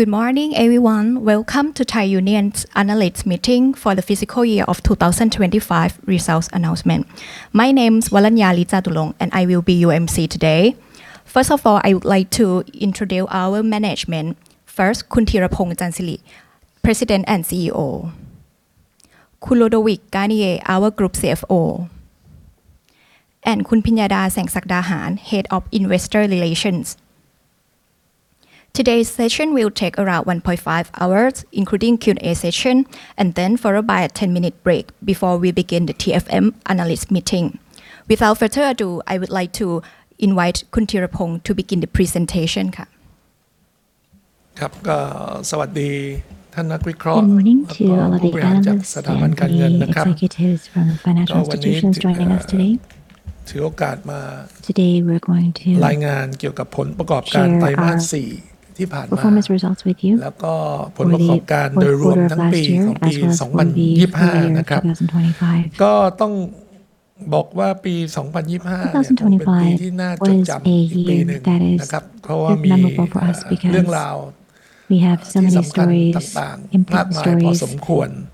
Good morning everyone! Welcome to Thai Union's Analyst Meeting for the fiscal year of 2025 results announcement. My name is Waranya Leejaturong and I will be your MC today. First of all, I would like to introduce our management. First, Khun Thiraphong Chansiri, President and CEO, Khun Ludovic Garnier, our Group CFO, and Khun Pinyada Saengsakdaharn, Head of Investor Relations. Today's session will take around 1.5 hours, including Q&A session and then followed by a 10 minute break before we begin the TFM analyst meeting. Without further ado, I would like to invite คุณธีรพงษ์ to begin the presentation ค่ะ. ครับก็สวัสดีท่านนักวิเคราะห์ Good morning to all of the analysts and the executives from financial institutions joining us today. ถือโอกาสมา Today, we are going to รายงานเกี่ยวกับผลประกอบการไตรมาสสี่ที่ผ่านมา share our performance results with you. แล้วก็ผลประกอบการโดยรวมทั้งปีของปี 2025 ครับก็ต้องบอกว่าปี 2025 เนี่ยเป็นปีที่น่าจดจำอีกปีหนึ่งครับเพราะว่ามีเรื่องราวที่สำคัญต่างๆมากมายพอสมควร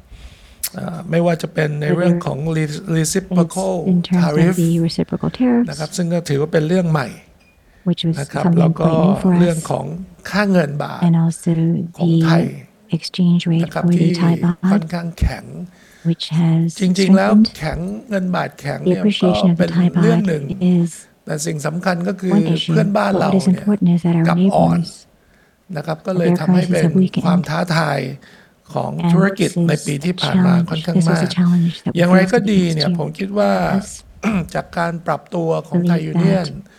ไม่ว่าจะเป็นในเรื่องของ reciprocal tariff ครับซึ่งก็ถือว่าเป็นเรื่องใหม่ครับแล้วก็เรื่องของค่าเงินบาทของไทยครับที่ค่อนข้างแข็งจริงๆแล้วแข็งเงินบาทแข็งเนี่ยก็เป็นเรื่องหนึ่งแต่สิ่งสำคัญก็คือเพื่อนบ้านเราเนี่ยกลับอ่อนครับก็เลยทำให้เป็นความท้าทายของธุรกิจในปีที่ผ่านมาค่อนข้างมากอย่างไรก็ดีเนี่ยผมคิดว่าจากการปรับตัวของไทยยูเนี่ยนครับ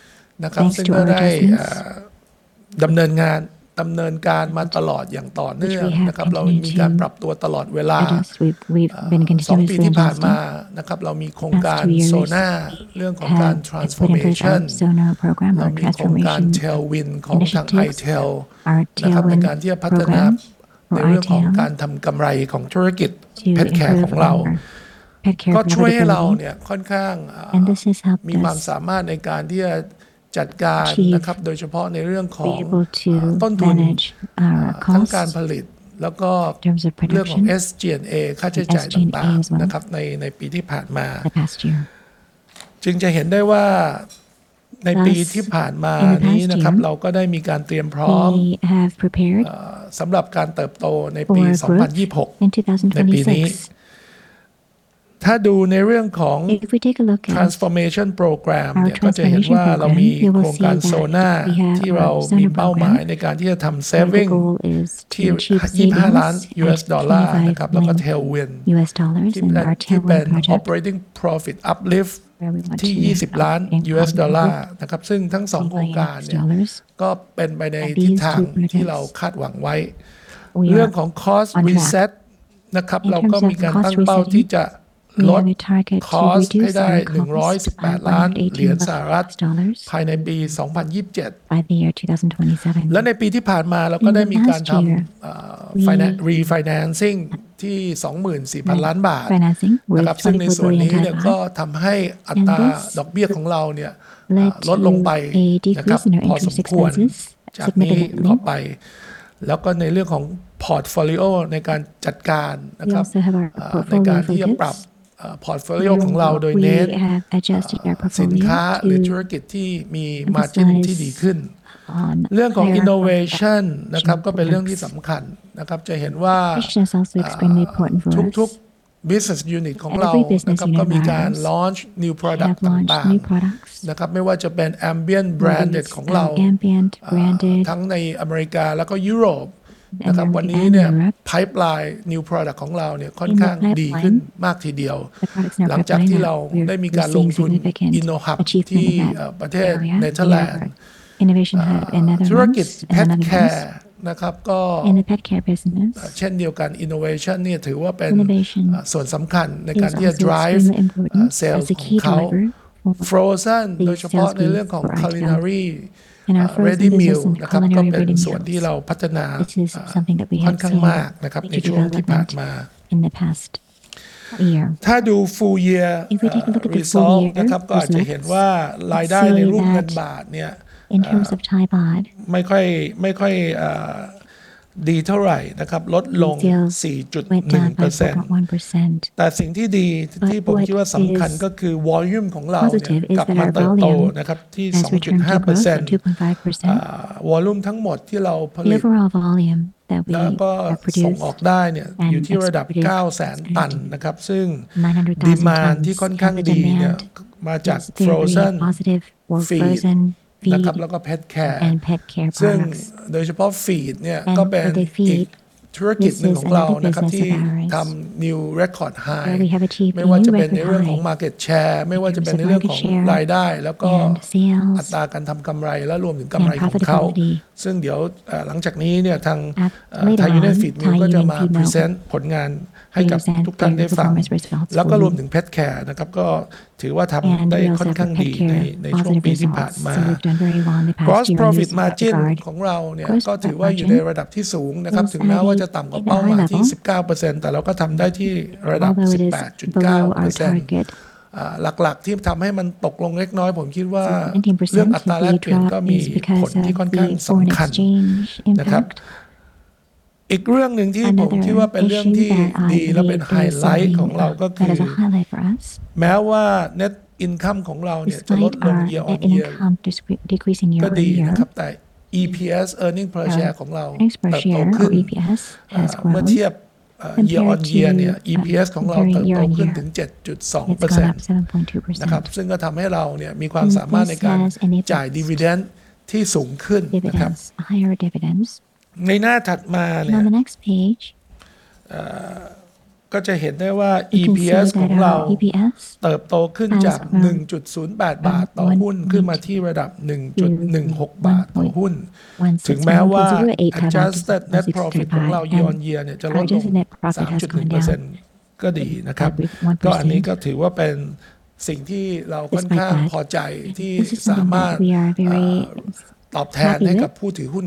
ซึ่งก็ได้ดำเนินงานดำเนินการมาตลอดอย่างต่อเนื่องครับเรามีการปรับตัวตลอดเวลาสองปีที่ผ่านมาครับเรามีโครงการโซน่าเรื่องของการ transformation แล้วมีโครงการ Tailwind ของทาง i-Tail ครับในการที่จะพัฒนาในเรื่องของการทำกำไรของธุรกิจ pet care ของเราก็ช่วยให้เราเนี่ยค่อนข้างมีความสามารถในการที่จะจัดการครับโดยเฉพาะในเรื่องของต้นทุนทั้งการผลิตแล้วก็เรื่องของ SG&A ค่าใช้จ่ายต่างๆครับในปีที่ผ่านมาจึงจะเห็นได้ว่าในปีที่ผ่านมานี้ครับเราก็ได้มีการเตรียมพร้อมสำหรับการเติบโตในปี 2026 ในปีนี้ถ้าดูในเรื่องของ transformation program เนี่ยก็จะเห็นว่าเรามีโครงการโซน่าที่เรามีเป้าหมายในการที่จะทำ saving ที่ 25 ล้าน US ดอลลาร์ครับแล้วก็ Tailwind ที่เป็น operating profit uplift ที่ 20 ล้าน US ดอลลาร์ครับซึ่งทั้งสองโครงการเนี่ยก็เป็นไปในทิศทางที่เราคาดหวังไว้ในเรื่องของ Cost Reset ครับเราก็มีการตั้งเป้าที่จะลด cost ให้ได้ 118 ล้านเหรียญสหรัฐภายในปี 2027 และในปีที่ผ่านมาเราก็ได้มีการทำ refinancing ที่ 24,000 ล้านบาทครับซึ่งในส่วนนี้เนี่ยก็ทำให้อัตราดอกเบี้ยของเราเนี่ยลดลงไปครับพอสมควรจากนี้ต่อไปแล้วก็ในเรื่องของ portfolio ในการจัดการครับในการที่จะปรับ portfolio ของเราโดยเน้นสินค้าหรือธุรกิจที่มี margin ที่ดีขึ้นเรื่องของ innovation ครับก็เป็นเรื่องที่สำคัญครับจะเห็นว่าทุกๆ business unit ของเราครับก็มีการ launch new product ต่างๆครับไม่ว่าจะเป็น ambient branded ของเราทั้งในอเมริกาและก็ยุโรปครับวันนี้เนี่ย pipeline new product ของเราเนี่ยค่อนข้างดีขึ้นมากทีเดียวหลังจากที่เราได้มีการลงทุน Innovation Hub ที่ประเทศเนเธอร์แลนด์ธุรกิจ pet care ครับก็เช่นเดียวกัน innovation เนี่ยถือว่าเป็นส่วนสำคัญในการที่จะ drive sale ของเขา Frozen โดยเฉพาะในเรื่องของ culinary ready meal ครับก็เป็นส่วนที่เราพัฒนาค่อนข้างมากครับในช่วงที่ผ่านมาถ้าดู full year result ครับก็อาจจะเห็นว่ารายได้ในรูปเงินบาทเนี่ยไม่ค่อยดีเท่าไหร่ครับลดลง 4.1% แต่สิ่งที่ดีที่ผมคิดว่าสำคัญก็คือ volume ของเราเนี่ยกลับมาเติบโตครับที่ 2.5% volume ทั้งหมดที่เราผลิตแล้วก็ส่งออกได้เนี่ยอยู่ที่ระดับ 900,000 ตันครับซึ่ง demand ที่ค่อนข้างดีเนี่ยมาจาก Frozen, Feed ครับแล้วก็ pet care ซึ่งโดยเฉพาะ feed เนี่ยก็เป็นอีกธุรกิจหนึ่งของเราครับที่ทำ new record high ไม่ว่าจะเป็นในเรื่องของ market share ไม่ว่าจะเป็นในเรื่องของรายได้แล้วก็อัตราการทำกำไรและรวมถึงกำไรของเขาซึ่งเดี๋ยวหลังจากนี้เนี่ยทาง Thai Union Feed ก็จะมา present ผลงานให้กับทุกท่านได้ฟังแล้วก็รวมถึง pet care ครับก็ถือว่าทำได้ค่อนข้างดีในช่วงปีที่ผ่านมา Gross profit margin ของเราเนี่ยก็ถือว่าอยู่ในระดับที่สูงครับถึงแม้ว่าจะต่ำกว่าเป้าหมายที่ 19% แต่เราก็ทำได้ที่ระดับ 18.9% หลักๆที่ทำให้มันตกลงเล็กน้อยผมคิดว่าเรื่องอัตราแลกเปลี่ยนก็มีผลที่ค่อนข้างสำคัญครับอีกเรื่องหนึ่งที่ผมคิดว่าเป็นเรื่องที่ดีและเป็นไฮไลท์ของเราก็คือแม้ว่า Net Income ของเราเนี่ยจะลดลง Year on Year ก็ดีนะครับแต่ EPS Earning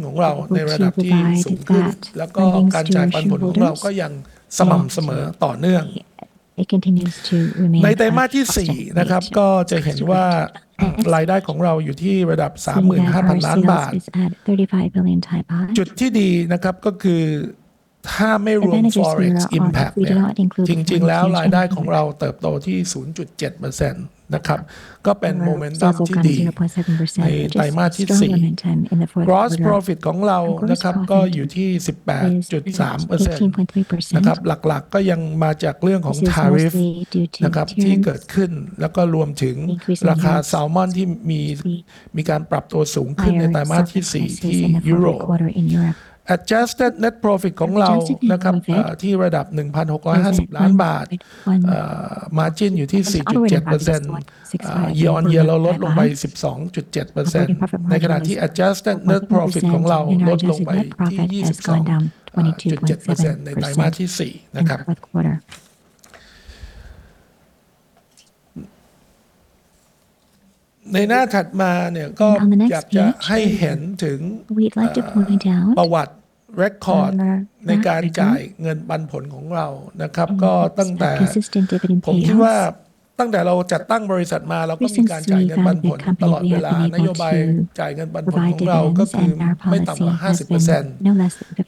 Per Share ของเราเติบโตขึ้นเมื่อเทียบ Year on Year เนี่ย EPS ของเราก็โตขึ้นถึง 7.2% นะครับซึ่งก็ทำให้เราเนี่ยมีความสามารถในการจ่าย Dividend ที่สูงขึ้นนะครับในหน้าถัดมาเนี่ยก็จะเห็นได้ว่า EPS ของเราเติบโตขึ้นจาก ₿1.08 ต่อหุ้นขึ้นมาที่ระดับ ₿1.16 ต่อหุ้นถึงแม้ว่า Adjusted Net Profit ของเรา Year on Year เนี่ยจะลดลง 3.1% ก็ดีนะครับก็อันนี้ก็ถือว่าเป็นสิ่งที่เราค่อนข้างพอใจที่สามารถตอบแทนให้กับผู้ถือหุ้นของเราในระดับที่สูงขึ้นแล้วก็การจ่ายปันผลของเราก็ยังสม่ำเสมอต่อเนื่องในไตรมาสที่สี่นะครับก็จะเห็นว่ารายได้ของเราอยู่ที่ระดับ ₿35,000 ล้านบาทจุดที่ดีนะครับก็คือถ้าไม่รวม Forex Impact เนี่ยจริงๆแล้วรายได้ของเราเติบโตที่ 0.7% นะครับก็เป็นโมเมนตัมที่ดีในไตรมาสที่สี่ Gross Profit ของเรานะครับก็อยู่ที่ 18.3% นะครับหลักๆก็ยังมาจากเรื่องของทาริฟนะครับที่เกิดขึ้นแล้วก็รวมถึงราคาแซลมอนที่มีการปรับตัวสูงขึ้นในไตรมาสที่สี่ที่ยุโรป Adjusted Net Profit ของเรานะครับที่ระดับ ₿1,650 ล้านบาทมาร์จิ้นอยู่ที่ 4.7% Year on Year เราลดลงไป 12.7% ในขณะที่ Adjusted Net Profit ของเราลดลงไปที่ 22.7% ในไตรมาสที่สี่นะครับในหน้าถัดมาเนี่ยก็อยากจะให้เห็นถึงประวัติเรคคอร์ดในการจ่ายเงินปันผลของเรานะครับก็ตั้งแต่ผมคิดว่าตั้งแต่เราจัดตั้งบริษัทมาเราก็มีการจ่ายเงินปันผลตลอดเวลานโยบายจ่ายเงินปันผลของเราก็คือไม่ต่ำกว่า 50%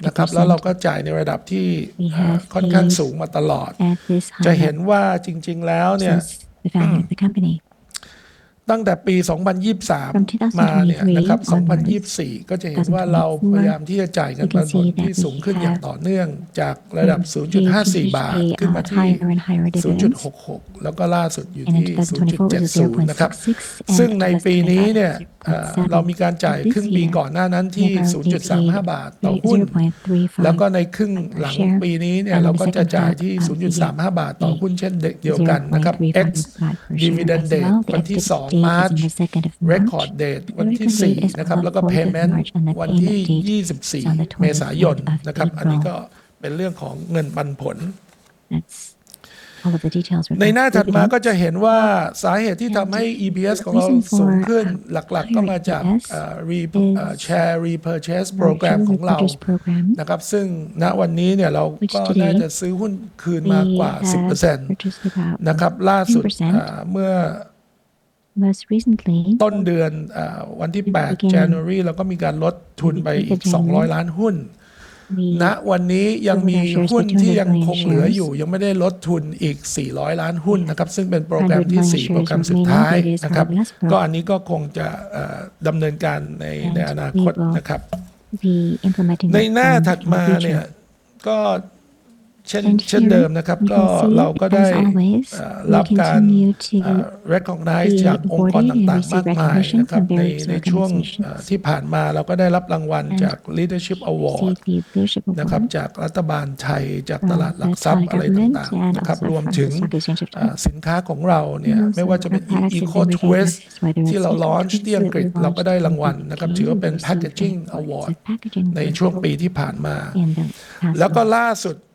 นะครับแล้วเราก็จ่ายในระดับที่ค่อนข้างสูงมาตลอดจะเห็นว่าจริงๆแล้วเนี่ยตั้งแต่ปี 2023 มาเนี่ยนะครับ 2024 ก็จะเห็นว่าเราพยายามที่จะจ่ายเงินปันผลที่สูงขึ้นอย่างต่อเนื่องจากระดับ ₿0.54 ขึ้นมาที่ ₿0.66 แล้วก็ล่าสุดอยู่ที่ ₿0.70 นะครับซึ่งในปีนี้เนี่ยเรามีการจ่ายครึ่งปีก่อนหน้านั้นที่ ₿0.35 ต่อหุ้นแล้วก็ในครึ่งหลังของปีนี้เนี่ยเราก็จะจ่ายที่ ₿0.35 ต่อหุ้นเช่นเดียวกันนะครับ Ex-Dividend Date วันที่ 2 มีนาคม Record Date วันที่ 4 นะครับแล้วก็ Payment วันที่ 24 เมษายนนะครับอันนี้ก็เป็นเรื่องของเงินปันผลในหน้าถัดมาก็จะเห็นว่าสาเหตุที่ทำให้ EPS ของเราสูงขึ้นหลักๆก็มาจาก Share Repurchase Program ของเรานะครับซึ่งณวันนี้เนี่ยเราก็น่าจะซื้อหุ้นคืนมากว่า 10% นะครับล่าสุดเมื่อต้นเดือนวันที่ 8 January เราก็มีการลดทุนไปอีก 200 ล้านหุ้นณวันนี้ยังมีหุ้นที่ยังคงเหลืออยู่ยังไม่ได้ลดทุนอีก 400 ล้านหุ้นนะครับซึ่งเป็นโปรแกรมที่สี่โปรแกรมสุดท้ายนะครับก็อันนี้ก็คงจะดำเนินการในอนาคตนะครับในหน้าถัดมาเนี่ยก็เช่นเดิมนะครับก็เราก็ได้รับการ Recognize จากองค์กรต่างๆมากมายนะครับในช่วงที่ผ่านมาเราก็ได้รับรางวัลจาก Leadership Award นะครับจากรัฐบาลไทยจากตลาดหลักทรัพย์อะไรต่างๆนะครับรวมถึงสินค้าของเราเนี่ยไม่ว่าจะเป็น ECOTWIST ที่เรา launch ที่อังกฤษเราก็ได้รางวัลนะครับถือว่าเป็น Packaging Award ในช่วงปีที่ผ่านมา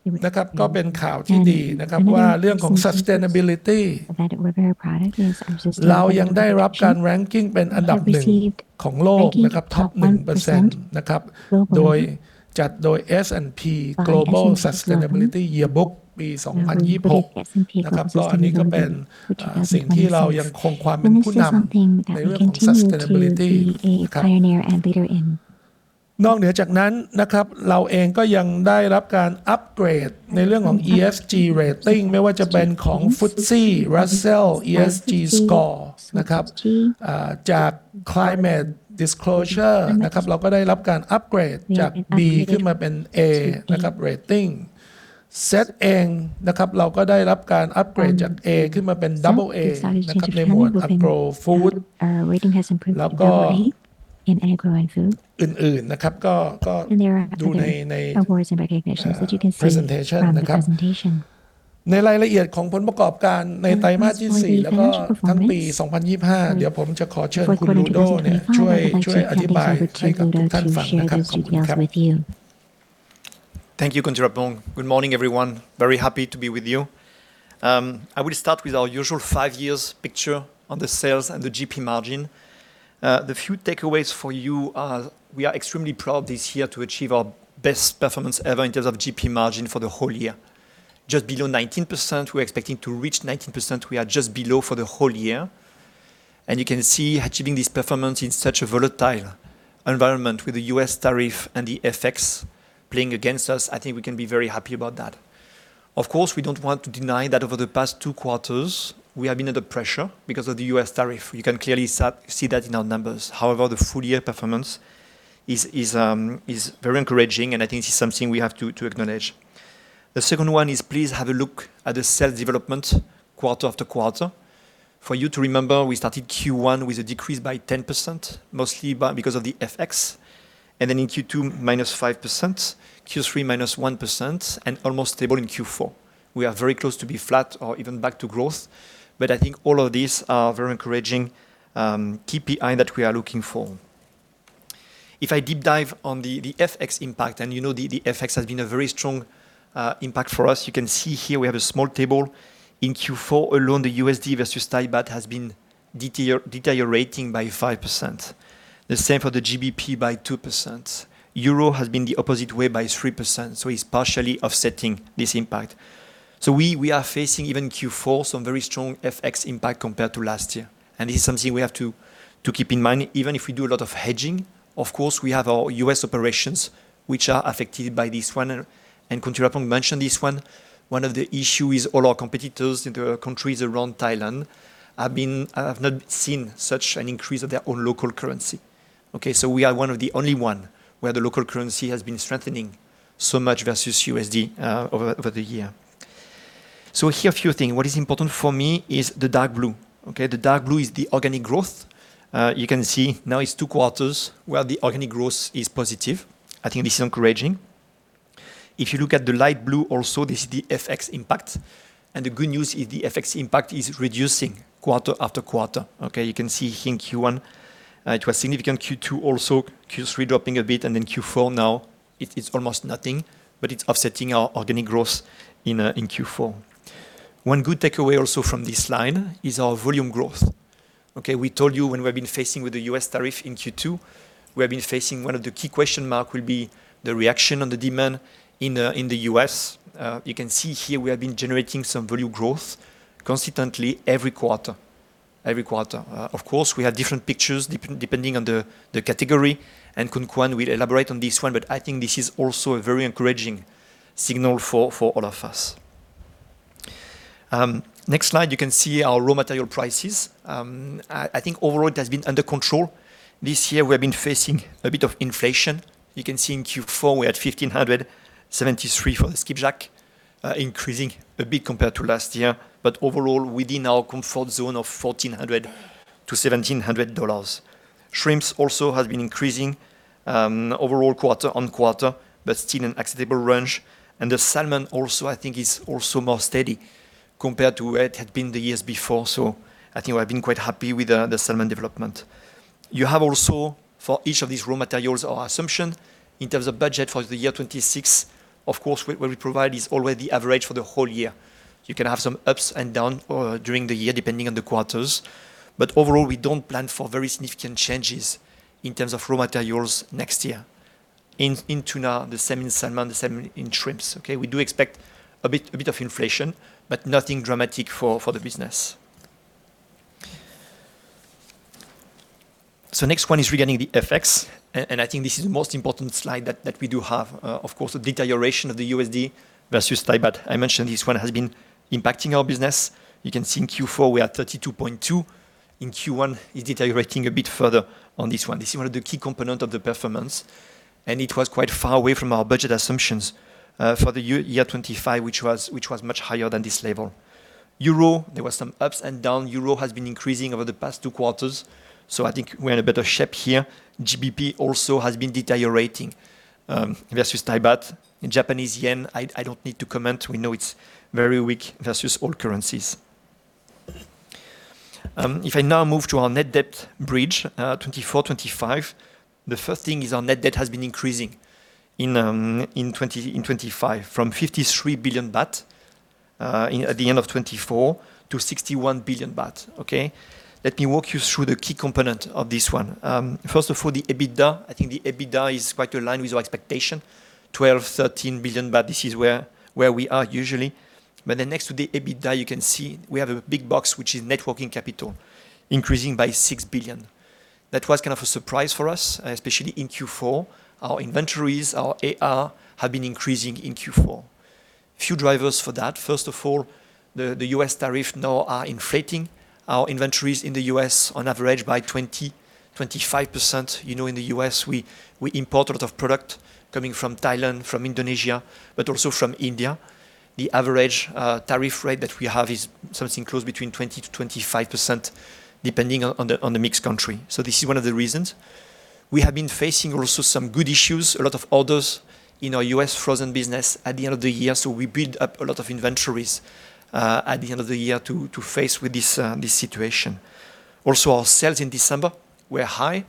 แล้วก็ล่าสุดนะครับก็เป็นข่าวที่ดีนะครับว่าเรื่องของ Sustainability เรายังได้รับการ Ranking เป็นอันดับหนึ่งของโลกนะครับ Top 1% นะครับโดยจัดโดย S&P Global Sustainability Yearbook ปี 2026 นะครับก็อันนี้ก็เป็นสิ่งที่เรายังคงความเป็นผู้นำในเรื่องของ Sustainability นะครับนอกเหนือจากนั้นนะครับเราเองก็ยังได้รับการอัปเกรดในเรื่องของ ESG Rating ไม่ว่าจะเป็นของ FTSE Russell ESG Score นะครับจาก CDP นะครับเราก็ได้รับการอัปเกรดจาก B ขึ้นมาเป็น A นะครับ Rating SET เองนะครับเราก็ได้รับการอัปเกรดจาก A ขึ้นมาเป็น AA นะครับในหมวด Agro & Food แล้วก็อื่นๆนะครับก็ดูในรายละเอียดของผลประกอบการในไตรมาสที่สี่แล้วก็ทั้งปี 2025 เดี๋ยวผมจะขอเชิญคุณรูโดเนี่ยช่วยอธิบายให้กับทุกท่านฟังนะครับขอบคุณครับ Thank you Thiraphong. Good morning, everyone. Very happy to be with you. I will start with our usual five years picture on the sales and the GP margin. The few takeaways for you are we are extremely proud this year to achieve our best performance ever in terms of GP margin for the whole year. Just below 19%, we are expecting to reach 19%. We are just below for the whole year, and you can see achieving this performance in such a volatile environment with the U.S. tariff and the FX playing against us, I think we can be very happy about that. Of course, we don't want to deny that over the past two quarters, we have been under pressure because of the U.S. tariff. You can clearly see that in our numbers. However, the full year performance is very encouraging, and I think this is something we have to acknowledge. The second one is please have a look at the sales development quarter after quarter. For you to remember, we started Q1 with a decrease by 10%, mostly because of the FX, and then in Q2, minus 5%, Q3, minus 1%, and almost stable in Q4. We are very close to be flat or even back to growth, but I think all of these are very encouraging KPI that we are looking for. If I deep dive on the FX impact, and you know, the FX has been a very strong impact for us. You can see here we have a small table. In Q4 alone, the USD versus Thai baht has been deteriorating by 5%. The same for the GBP by 2%. Euro has been the opposite way by 3%, so it's partially offsetting this impact. We are facing even Q4, some very strong FX impact compared to last year, and this is something we have to keep in mind, even if we do a lot of hedging. Of course, we have our US operations, which are affected by this one, and Khun Thiraphong mentioned this one. One of the issue is all our competitors in the countries around Thailand have not seen such an increase of their own local currency. We are one of the only one where the local currency has been strengthening so much versus USD over the year. Here a few things. What is important for me is the dark blue. The dark blue is the organic growth. You can see now it's two quarters where the organic growth is positive. I think this is encouraging. If you look at the light blue also, this is the FX impact, and the good news is the FX impact is reducing quarter after quarter. You can see here in Q1, it was significant, Q2 also, Q3 dropping a bit, and then Q4 now, it is almost nothing, but it's offsetting our organic growth in Q4. One good takeaway also from this line is our volume growth. We told you when we have been facing with the U.S. tariff in Q2, we have been facing one of the key question mark will be the reaction on the demand in the U.S. You can see here we have been generating some volume growth consistently every quarter, every quarter. Of course, we have different pictures depending on the category, and Khun Kwan will elaborate on this one, but I think this is also a very encouraging signal for all of us. Next slide, you can see our raw material prices. I think overall, it has been under control. This year, we have been facing a bit of inflation. You can see in Q4, we had $1,573 for the skipjack, increasing a bit compared to last year, but overall, within our comfort zone of $1,400 to $1,700. Shrimps also has been increasing overall quarter on quarter, but still an acceptable range. The salmon also, I think, is also more steady compared to where it had been the years before. I think we have been quite happy with the salmon development. You have also, for each of these raw materials, our assumption in terms of budget for the year 2026. Of course, what we provide is always the average for the whole year. You can have some ups and down during the year, depending on the quarters, but overall, we don't plan for very significant changes in terms of raw materials next year. In tuna, the same in salmon, the same in shrimps, okay? We do expect a bit of inflation, but nothing dramatic for the business. Next one is regarding the FX, and I think this is the most important slide that we do have. Of course, the deterioration of the USD versus Thai baht. I mentioned this one has been impacting our business. You can see in Q4, we are 32.2. In Q1, it's deteriorating a bit further on this one. This is one of the key component of the performance, and it was quite far away from our budget assumptions for the year 2025, which was much higher than this level. Euro, there was some ups and down. Euro has been increasing over the past two quarters, so I think we are in a better shape here. GBP also has been deteriorating versus Thai baht. In Japanese yen, I don't need to comment. We know it's very weak versus all currencies. If I now move to our net debt bridge, 24-25, the first thing is our net debt has been increasing in 25, from ฿53 billion at the end of 24 to ฿61 billion. Let me walk you through the key component of this one. First of all, the EBITDA, I think the EBITDA is quite aligned with our expectation, ฿12 billion, ฿13 billion, but this is where we are usually. But then next to the EBITDA, you can see we have a big box, which is net working capital, increasing by ฿6 billion. That was kind of a surprise for us, especially in Q4. Our inventories, our AR, have been increasing in Q4. A few drivers for that: first of all, the U.S. tariffs now are inflating our inventories in the U.S. on average by 20%, 25%. In the U.S., we import a lot of product coming from Thailand, from Indonesia, but also from India. The average tariff rate that we have is something close between 20% to 25%, depending on the mixed country. This is one of the reasons. We have been facing also some good issues, a lot of orders in our U.S. frozen business at the end of the year, so we built up a lot of inventories at the end of the year to face with this situation. Also, our sales in December were high,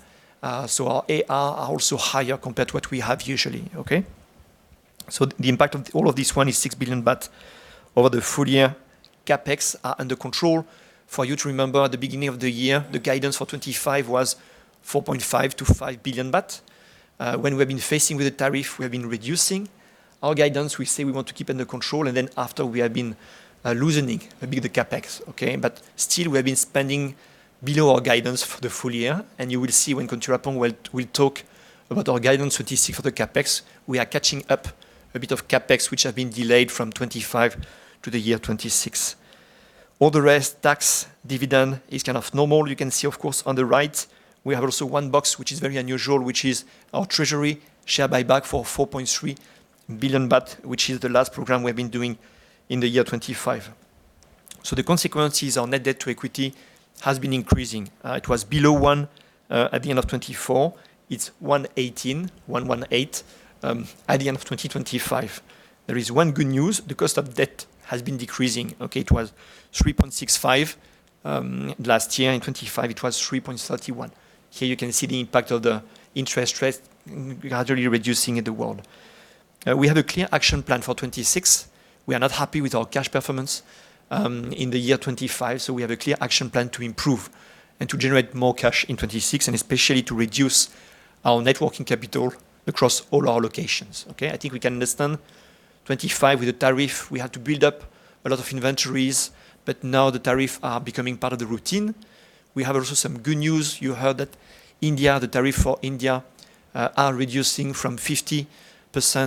so our AR are also higher compared to what we have usually. The impact of all of this one is ฿6 billion over the full year. CapEx are under control. For you to remember, at the beginning of the year, the guidance for 2025 was ฿4.5 to ฿5 billion. When we have been facing with the tariff, we have been reducing our guidance. We say we want to keep under control, and then after, we have been loosening a bit the CapEx. But still, we have been spending below our guidance for the full year, and you will see when Khun Jirapong will talk about our guidance statistic for the CapEx. We are catching up a bit of CapEx, which have been delayed from 2025 to the year 2026. All the rest, tax, dividend, is kind of normal. You can see, of course, on the right, we have also one box, which is very unusual, which is our treasury share buyback for ฿4.3 billion, which is the last program we have been doing in the year 2025. So the consequences on net debt to equity has been increasing. It was below one at the end of 2024. It's 1.18, 1.18, at the end of 2025. There is one good news. The cost of debt has been decreasing, okay? It was 3.65% last year. In 2025, it was 3.31%. Here you can see the impact of the interest rate gradually reducing in the world. We have a clear action plan for 2026. We are not happy with our cash performance in the year 2025, so we have a clear action plan to improve and to generate more cash in 2026, and especially to reduce our net working capital across all our locations. I think we can understand 2025, with the tariff, we had to build up a lot of inventories, but now the tariff are becoming part of the routine. We have also some good news. You heard that India, the tariff for India, are reducing from 50%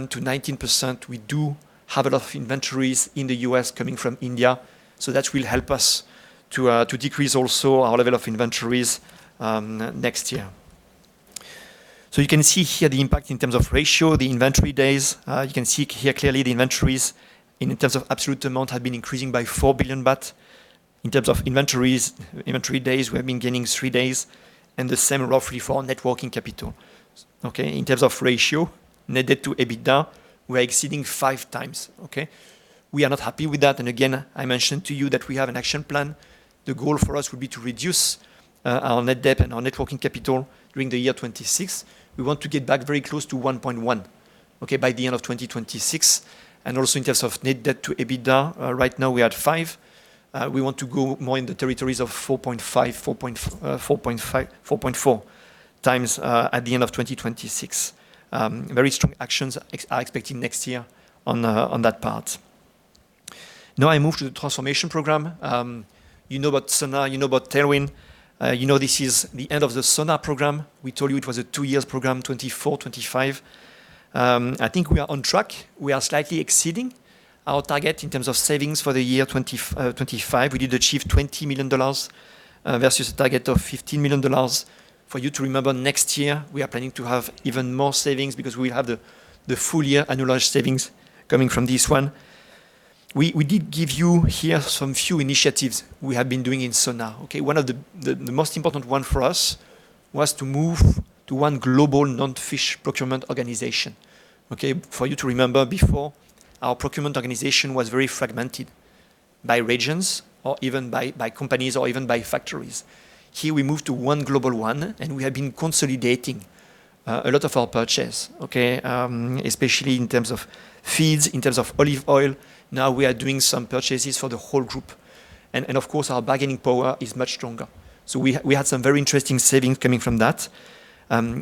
to 19%. We do have a lot of inventories in the U.S. coming from India, so that will help us to decrease also our level of inventories next year. You can see here the impact in terms of ratio, the inventory days. You can see here clearly the inventories in terms of absolute amount have been increasing by ₿4 billion. In terms of inventories, inventory days, we have been gaining three days and the same roughly for net working capital. In terms of ratio, net debt to EBITDA, we are exceeding five times. We are not happy with that, and again, I mentioned to you that we have an action plan. The goal for us would be to reduce our net debt and our net working capital during the year 2026. We want to get back very close to 1.1 by the end of 2026. And also in terms of net debt to EBITDA, right now we are at five. We want to go more in the territories of 4.5, 4.5, 4.4 times at the end of 2026. Very strong actions are expecting next year on that part. Now I move to the transformation program. You know about Sonar, you know about Tailwind. You know, this is the end of the Sonar program. We told you it was a two-years program, 2024, 2025. I think we are on track. We are slightly exceeding our target in terms of savings for the year 2025. We did achieve $20 million versus a target of $15 million. For you to remember, next year, we are planning to have even more savings because we have the full year annualized savings coming from this one. We did give you here some few initiatives we have been doing in Sonar. One of the most important one for us was to move to one global non-fish procurement organization. For you to remember, before, our procurement organization was very fragmented by regions or even by companies or even by factories. Here, we moved to one global one, and we have been consolidating a lot of our purchase, especially in terms of feeds, in terms of olive oil. Now, we are doing some purchases for the whole group and of course, our bargaining power is much stronger. So we had some very interesting savings coming from that.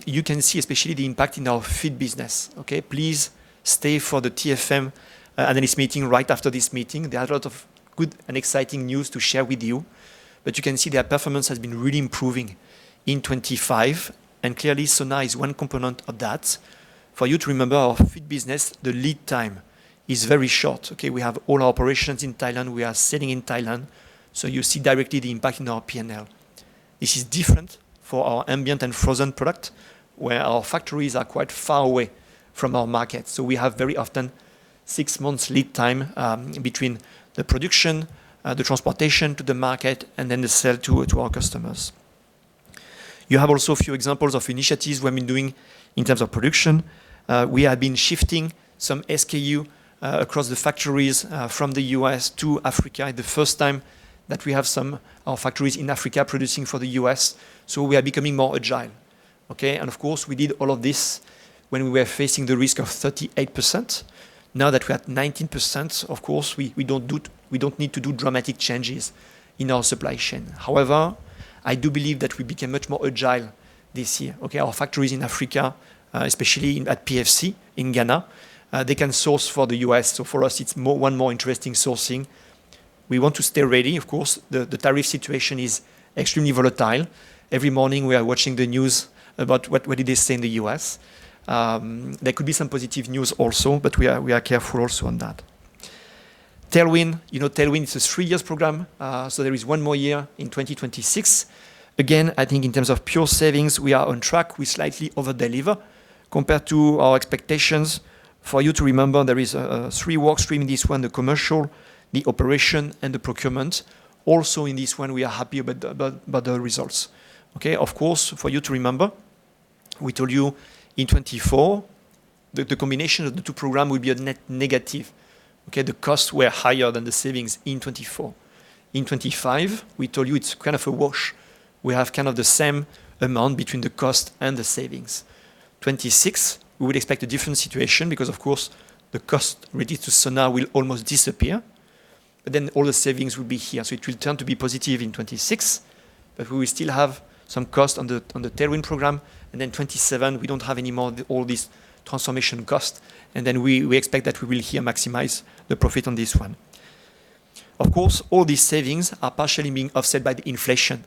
You can see especially the impact in our feed business. Please stay for the TFM analyst meeting right after this meeting. There are a lot of good and exciting news to share with you, but you can see their performance has been really improving in 2025, and clearly, Sonar is one component of that. For you to remember, our feed business, the lead time is very short. We have all our operations in Thailand. We are sitting in Thailand, so you see directly the impact in our P&L. This is different for our ambient and frozen product, where our factories are quite far away from our market. We have very often six months lead time between the production, the transportation to the market, and then the sale to our customers. You have also a few examples of initiatives we have been doing in terms of production. We have been shifting some SKU across the factories from the U.S. to Africa, the first time that we have some, our factories in Africa producing for the U.S., so we are becoming more agile. Of course, we did all of this when we were facing the risk of 38%. Now that we are at 19%, of course, we don't need to do dramatic changes in our supply chain. However, I do believe that we became much more agile this year. Our factories in Africa, especially at PFC in Ghana, they can source for the U.S. So for us, it's one more interesting sourcing. We want to stay ready. Of course, the tariff situation is extremely volatile. Every morning, we are watching the news about what did they say in the U.S. There could be some positive news also, but we are careful also on that. Tailwind, you know, Tailwind is a three-years program, so there is one more year in 2026. Again, I think in terms of pure savings, we are on track. We slightly over-deliver compared to our expectations. For you to remember, there is a three workstream in this one: the commercial, the operation, and the procurement. Also, in this one, we are happy about the results. Of course, for you to remember, we told you in 2024, the combination of the two program would be a net negative. The costs were higher than the savings in 2024. In 2025, we told you it's kind of a wash. We have kind of the same amount between the cost and the savings. Twenty-six, we would expect a different situation because, of course, the cost related to Sonar will almost disappear, but then all the savings will be here. So it will turn to be positive in twenty-six, but we will still have some cost on the tailwind program. Then twenty-seven, we don't have any more all these transformation costs, and then we expect that we will here maximize the profit on this one. Of course, all these savings are partially being offset by the inflation,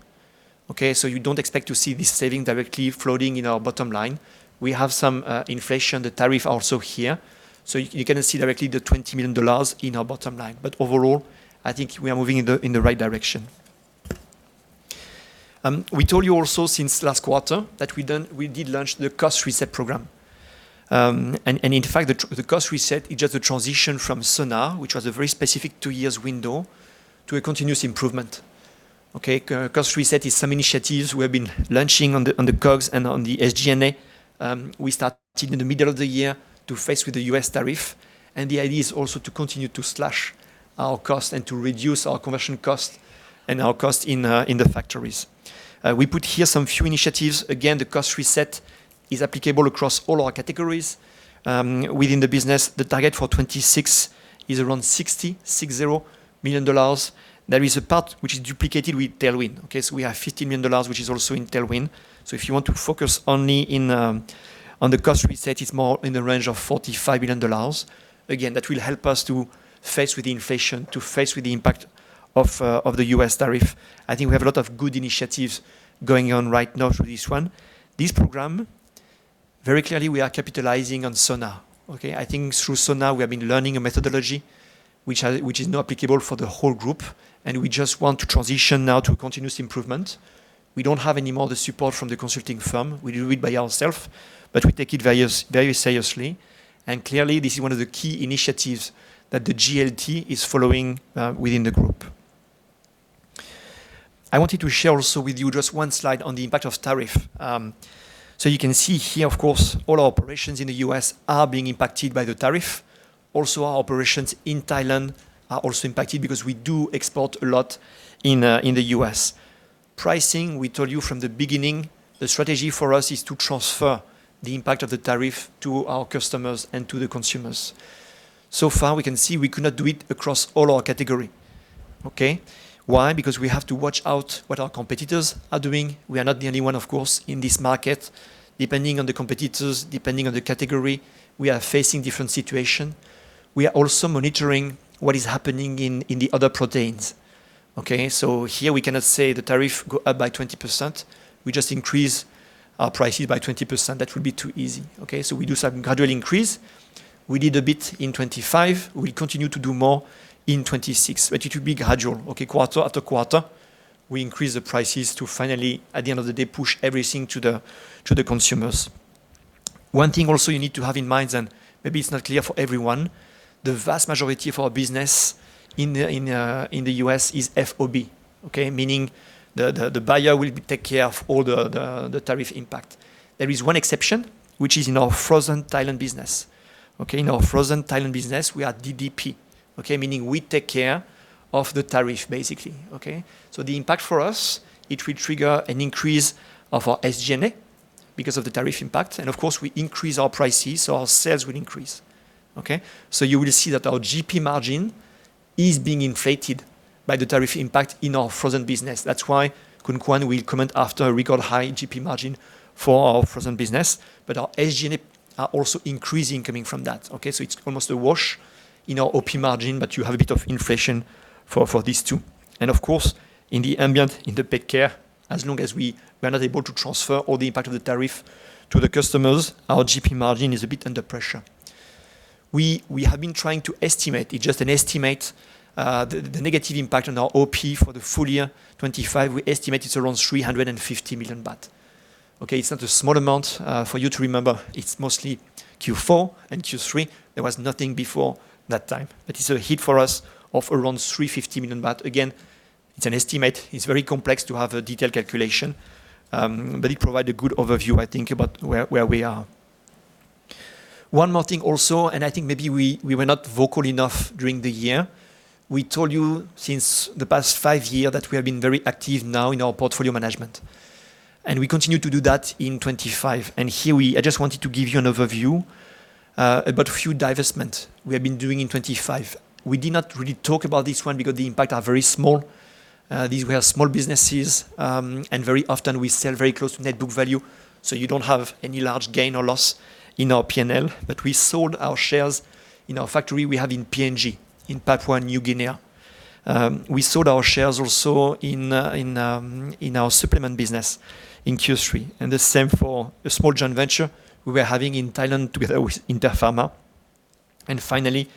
okay? So you don't expect to see this saving directly floating in our bottom line. We have some inflation, the tariff also here. So you cannot see directly the $20 million in our bottom line, but overall, I think we are moving in the right direction. We told you also since last quarter that we did launch the Cost Reset program. And in fact, the Cost Reset is just a transition from SonarR, which was a very specific two years window, to a continuous improvement. Cost Reset is some initiatives we have been launching on the COGS and on the SG&A. We started in the middle of the year to face with the US tariff, and the idea is also to continue to slash our cost and to reduce our commercial cost and our cost in the factories. We put here some few initiatives. Again, the Cost Reset is applicable across all our categories within the business. The target for 2026 is around $60 million. There is a part which is duplicated with tailwind. We have $50 million, which is also in tailwind. So if you want to focus only on the Cost Reset, it's more in the range of $45 million. Again, that will help us to face with the inflation, to face with the impact of the U.S. tariff. I think we have a lot of good initiatives going on right now through this one. This program, very clearly, we are capitalizing on SonarR. I think through SonarR, we have been learning a methodology which is now applicable for the whole group, and we just want to transition now to a continuous improvement. We don't have any more the support from the consulting firm. We do it by ourselves, but we take it very seriously, and clearly, this is one of the key initiatives that the GLT is following within the group. I wanted to share also with you just one slide on the impact of tariff. So you can see here, of course, all our operations in the U.S. are being impacted by the tariff. Also, our operations in Thailand are also impacted because we do export a lot in the U.S. Pricing, we told you from the beginning, the strategy for us is to transfer the impact of the tariff to our customers and to the consumers. So far, we can see we cannot do it across all our category. Why? Because we have to watch out what our competitors are doing. We are not the only one, of course, in this market. Depending on the competitors, depending on the category, we are facing different situations. We are also monitoring what is happening in the other proteins. So here we cannot say the tariff goes up by 20%. We just increase our prices by 20%. That would be too easy. So we do some gradual increase. We did a bit in 2025. We'll continue to do more in 2026, but it will be gradual. Quarter after quarter, we increase the prices to finally, at the end of the day, push everything to the consumers. One thing also you need to have in mind, and maybe it's not clear for everyone, the vast majority of our business in the US is FOB. Meaning the buyer will take care of all the tariff impact. There is one exception, which is in our frozen Thailand business. In our frozen Thailand business, we are DDP, meaning we take care of the tariff, basically. So the impact for us, it will trigger an increase of our SG&A because of the tariff impact, and of course, we increase our prices, so our sales will increase. So you will see that our GP margin is being inflated by the tariff impact in our frozen business. That's why Khun Kwan will comment after a record high GP margin for our frozen business, but our SG&A are also increasing coming from that. So it's almost a wash in our OP margin, but you have a bit of inflation for these two. Of course, in the ambient, in the pet care, as long as we were not able to transfer all the impact of the tariff to the customers, our GP margin is a bit under pressure. We have been trying to estimate, it's just an estimate, the negative impact on our OP for the full year 2025. We estimate it's around ฿350 million. It's not a small amount. For you to remember, it's mostly Q4 and Q3. There was nothing before that time, but it's a hit for us of around ฿350 million. Again, it's an estimate. It's very complex to have a detailed calculation, but it provides a good overview, I think, about where we are. One more thing also, and I think maybe we were not vocal enough during the year. We told you since the past five years that we have been very active now in our portfolio management, and we continue to do that in 2025. Here, I just wanted to give you an overview about a few divestments we have been doing in 2025. We did not really talk about this one because the impacts are very small. These were small businesses, and very often, we sell very close to net book value, so you don't have any large gain or loss in our P&L. But we sold our shares in our factory we have in PNG, in Papua New Guinea. We sold our shares also in our supplement business in Q3, and the same for a small joint venture we were having in Thailand together with Interpharma. Finally,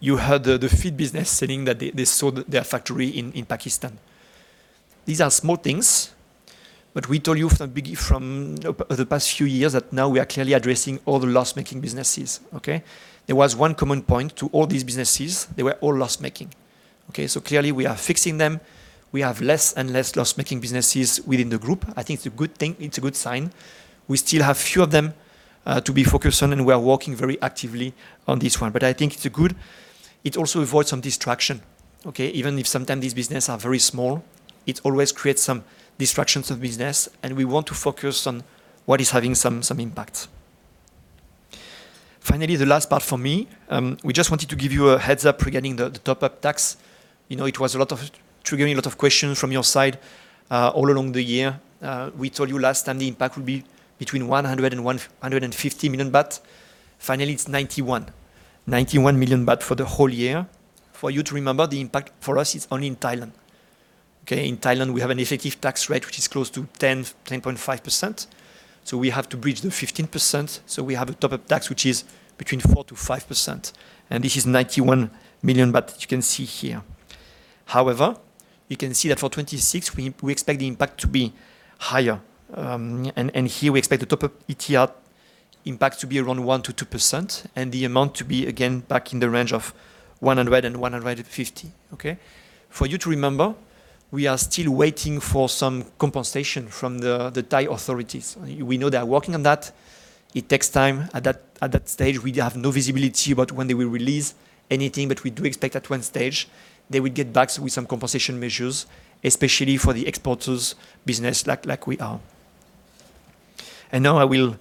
you heard the feed business saying that they sold their factory in Pakistan. These are small things, but we told you from the beginning, from the past few years, that now we are clearly addressing all the loss-making businesses. There was one common point to all these businesses: they were all loss-making. So clearly, we are fixing them. We have less and less loss-making businesses within the group. I think it's a good thing. It's a good sign. We still have few of them to be focused on, and we are working very actively on this one. But I think it's a good... It also avoids some distraction. Even if sometimes these businesses are very small, it always creates some distractions of business, and we want to focus on what is having some impact. Finally, the last part for me, we just wanted to give you a heads up regarding the top up tax. You know, it was a lot of triggering, a lot of questions from your side all along the year. We told you last time the impact would be between ₿100 million and ₿150 million. Finally, it's ₿91 million for the whole year. For you to remember, the impact for us is only in Thailand. In Thailand, we have an effective tax rate which is close to 10%, 10.5%. We have to bridge the 15%, so we have a top up tax, which is between 4% to 5%, and this is $91 million, but you can see here. However, you can see that for 2026 we expect the impact to be higher, and here we expect the top up ETR impact to be around 1% to 2% and the amount to be again back in the range of $100 and $150. For you to remember, we are still waiting for some compensation from the Thai authorities. We know they are working on that. It takes time. At that stage, we have no visibility about when they will release anything, but we do expect at one stage they will get back with some compensation measures, especially for the exporters business like we are. And now I will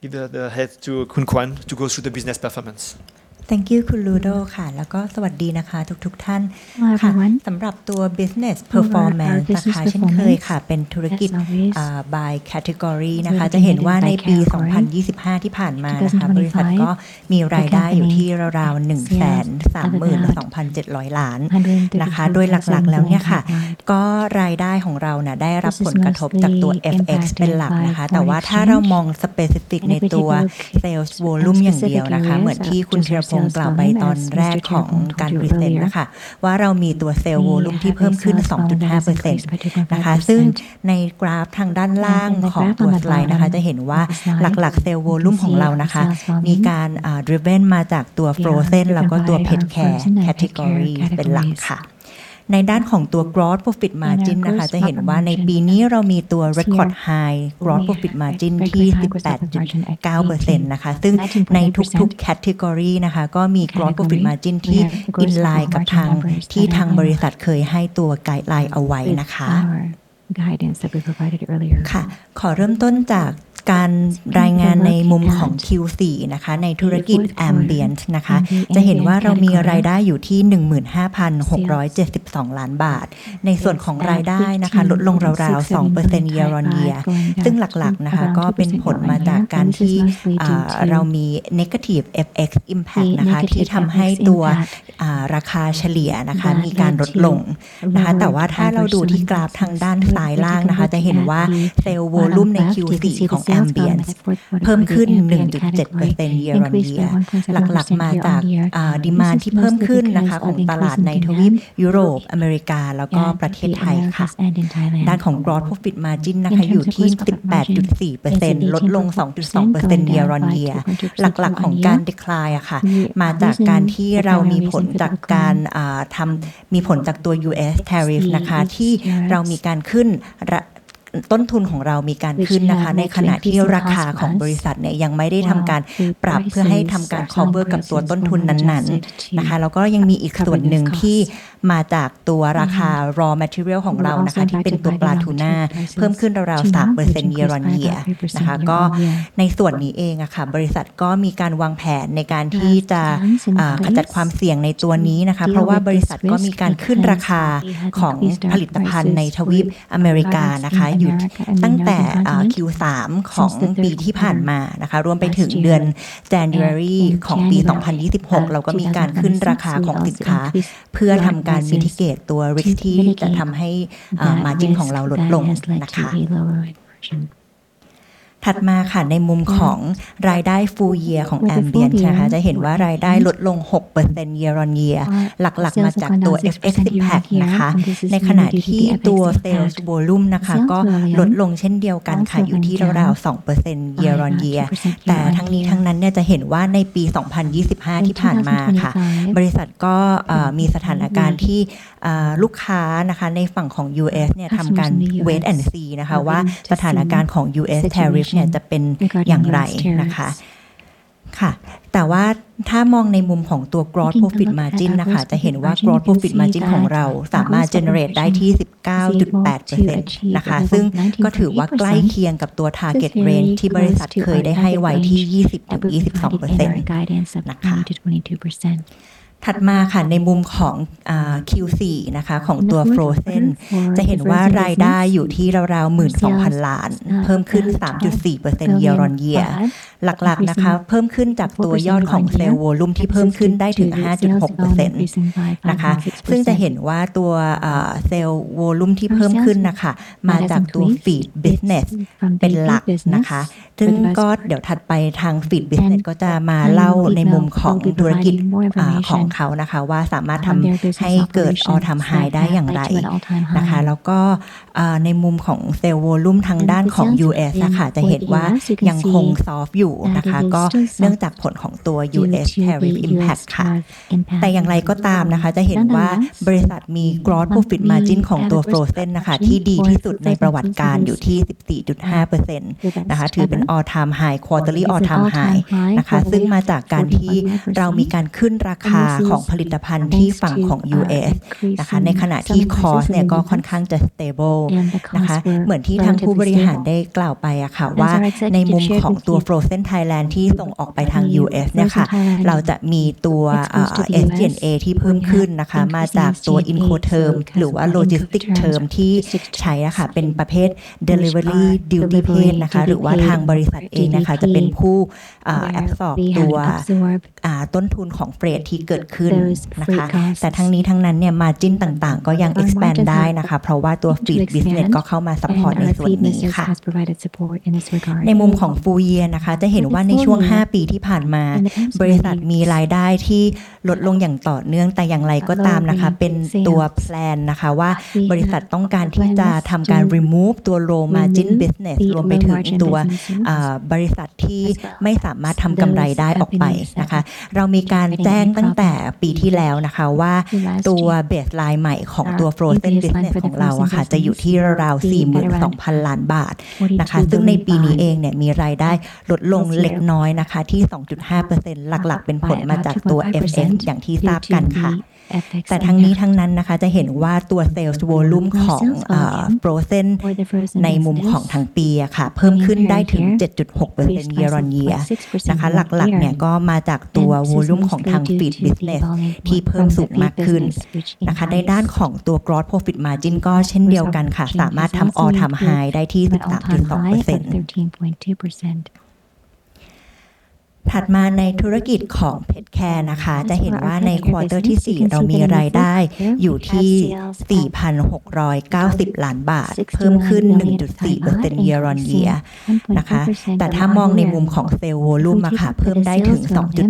give the head to Khun Saengsakdaharn to go through the business performance. Thank you, Khun Ludo. ค่ะแล้วก็สวัสดีนะคะทุกๆท่านค่ะสำหรับตัว business performance นะคะเช่นเคยค่ะเป็นธุรกิจ by category นะคะจะเห็นว่าในปี 2025 ที่ผ่านมานะคะบริษัทก็มีรายได้อยู่ที่ราวๆหนึ่งแสนสามหมื่นสองพันเจ็ดร้อยล้านนะคะโดยหลักๆแล้วเนี่ยค่ะก็รายได้ของเรานะได้รับผลกระทบจากตัว FX เป็นหลักนะคะแต่ว่าถ้าเรามอง specific ในตัว sales volume อย่างเดียวนะคะเหมือนที่คุณธีรพงษ์กล่าวไปตอนแรกของการพรีเซนต์นะค่ะว่าเรามีตัว sales volume ที่เพิ่มขึ้น 2.5% นะคะซึ่งในกราฟทางด้านล่างของตัวสไลด์นะคะจะเห็นว่าหลักๆ sales volume ของเรานะคะมีการ driven มาจากตัว frozen แล้วก็ตัว pet care category เป็นหลักค่ะในด้านของตัว gross profit margin นะคะจะเห็นว่าในปีนี้เรามีตัว record high gross profit margin ที่ 18.9% นะคะซึ่งในทุกๆ category นะคะก็มี gross profit margin ที่ in line กับทางที่ทางบริษัทเคยให้ตัวไกด์ไลน์เอาไว้นะคะค่ะขอเริ่มต้นจากการรายงานในมุมของ Q4 นะคะในธุรกิจ Ambient นะคะจะเห็นว่าเรามีรายได้อยู่ที่ 15,672 ล้านบาทในส่วนของรายได้นะคะลดลงราวๆ 2% year-on-year ซึ่งหลักๆนะคะก็เป็นผลมาจากการที่เรามี negative FX impact นะคะที่ทำให้ตัวราคาเฉลี่ยนะคะมีการลดลงนะคะแต่ว่าถ้าเราดูที่กราฟทางด้านซ้ายล่างนะคะจะเห็นว่า sales volume ใน Q4 ของ Ambient เพิ่มขึ้น 1.7% year-on-year หลักๆมาจาก demand ที่เพิ่มขึ้นนะคะของตลาดในทวีปยุโรปอเมริกาแล้วก็ประเทศไทยค่ะด้านของ gross profit margin นะคะอยู่ที่ 18.4% ลดลง 2.2% year-on-year หลักๆของการ decline ค่ะมาจากการที่เรามีผลจากการทำมีผลจากตัว US Tariff นะคะที่เรามีการขึ้นและต้นทุนของเรามีการขึ้นนะคะในขณะที่ราคาของบริษัทเนี่ยยังไม่ได้ทำการปรับเพื่อให้ทำการ cover กับตัวต้นทุนนั้นๆนะคะแล้วก็ยังมีอีกส่วนหนึ่งที่มาจากตัวราคา raw material ของเรานะคะที่เป็นตัวปลาทูน่าเพิ่มขึ้นราวๆ 3% year-on-year นะคะก็ในส่วนนี้เองค่ะบริษัทก็มีการวางแผนในการที่จะขจัดความเสี่ยงในตัวนี้นะคะเพราะว่าบริษัทก็มีการขึ้นราคาของผลิตภัณฑ์ในทวีปอเมริกานะคะอยู่ตั้งแต่ Q3 ของปีที่ผ่านมานะคะรวมไปถึงเดือน January ของปี 2026 เราก็มีการขึ้นราคาของสินค้าเพื่อทำการ mitigate ตัว risk ที่จะทำให้ margin ของเราลดลงนะคะถัดมาค่ะในมุมของรายได้ full year ของ Ambient นะคะจะเห็นว่ารายได้ลดลง 6% year-on-year หลักๆมาจากตัว FX impact นะคะในขณะที่ตัว sales volume นะคะก็ลดลงเช่นเดียวกันค่ะอยู่ที่ราวๆ 2% year-on-year แต่ทั้งนี้ทั้งนั้นเนี่ยจะเห็นว่าในปี 2025 ที่ผ่านมาค่ะบริษัทก็มีสถานการณ์ที่ลูกค้านะคะในฝั่งของ US เนี่ยทำการ wait and see นะคะว่าสถานการณ์ของ US Tariff เนี่ยจะเป็นอย่างไรนะคะค่ะแต่ว่าถ้ามองในมุมของตัว Gross Profit Margin นะคะจะเห็นว่า Gross Profit Margin ของเราสามารถ generate ได้ที่ 19.8% นะคะซึ่งก็ถือว่าใกล้เคียงกับตัว target range ที่บริษัทเคยได้ให้ไว้ที่ 20% ถึง 22% นะคะถัดมาค่ะในมุมของ Q4 นะคะของตัว Frozen จะเห็นว่าเรามีรายได้อยู่ที่ราวๆ 10,002 ล้านเพิ่มขึ้น 3.4% year-on-year หลักๆนะคะเพิ่มขึ้นจากตัวยอดของ year-on-year นะคะหลักๆเนี่ยก็มาจากตัว volume ของทาง Feed Business ที่เพิ่มสูงมากขึ้นนะคะในด้านของตัว Gross Profit Margin ก็เช่นเดียวกันค่ะสามารถทำ all-time high ได้ที่ 13.2% ถัดมาในธุรกิจของ Pet Care นะคะจะเห็นว่าใน quarter ที่สี่เรามีรายได้อยู่ที่ 4,690 ล้านบาทเพิ่มขึ้น 1.4% year-on-year นะคะแต่ถ้ามองในมุมของ sales volume ค่ะเพิ่มได้ถึง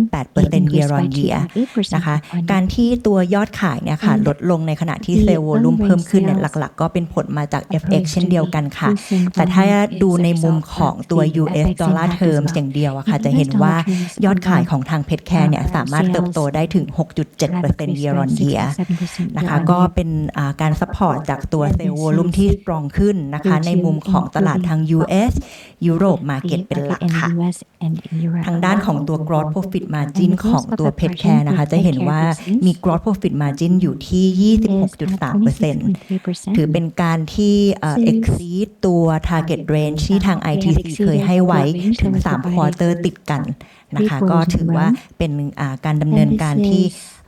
2.8% year-on-year นะคะการที่ตัวยอดขายเนี่ยค่ะลดลงในขณะที่ sales volume เพิ่มขึ้นเนี่ยหลักๆก็เป็นผลมาจาก FX เช่นเดียวกันค่ะแต่ถ้าดูในมุมของตัว US dollar terms อย่างเดียวค่ะจะเห็นว่ายอดขายของทาง Pet Care เนี่ยสามารถเติบโตได้ถึง 6.7% year-on-year นะคะ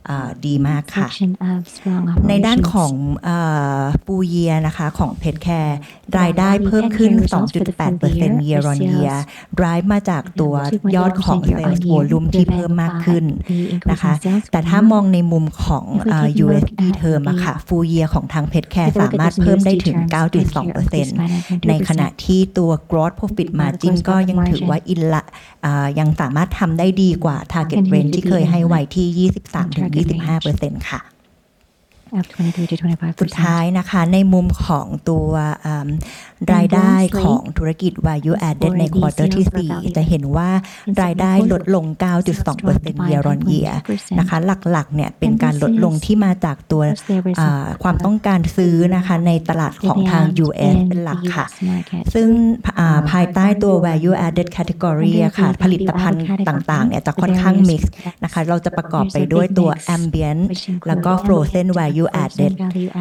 ก็เป็นการ support จากตัว sales volume ที่ strong ขึ้นนะคะในมุมของตลาดทาง US ยุโรป market เป็นหลักค่ะทางด้านของตัว Gross Profit Margin ของตัว Pet Care นะคะจะเห็นว่ามี Gross Profit Margin อยู่ที่ 26.3% ถือเป็นการที่ exceed ตัว target range ที่ทาง ITC เคยให้ไว้ถึงสาม quarter ติดกันนะคะก็ถือว่าเป็นการดำเนินการที่ดีมากค่ะในด้านของ full year นะคะของ Pet Care รายได้เพิ่มขึ้น 2.8% year-on-year drive มาจากตัวยอดของ sales volume ที่เพิ่มมากขึ้นนะคะแต่ถ้ามองในมุมของ USD term ค่ะ full year ของทาง Pet Care สามารถเพิ่มได้ถึง 9.2% ในขณะที่ตัว Gross Profit Margin ก็ยังถือว่ายังสามารถทำได้ดีกว่า target range ที่เคยให้ไว้ที่ 23% ถึง 25% ค่ะสุดท้ายนะคะในมุมของตัวรายได้ของธุรกิจ Value Added ใน quarter ที่สี่จะเห็นว่ารายได้ลดลง 9.2% year-on-year นะคะหลักๆเนี่ยเป็นการลดลงที่มาจากตัวความต้องการซื้อนะคะในตลาดของทาง US เป็นหลักค่ะซึ่งภายใต้ตัว Value Added category ค่ะผลิตภัณฑ์ต่างๆเนี่ยจะค่อนข้าง mix นะคะเราจะประกอบไปด้วยตัว Ambient แล้วก็ Frozen Value Added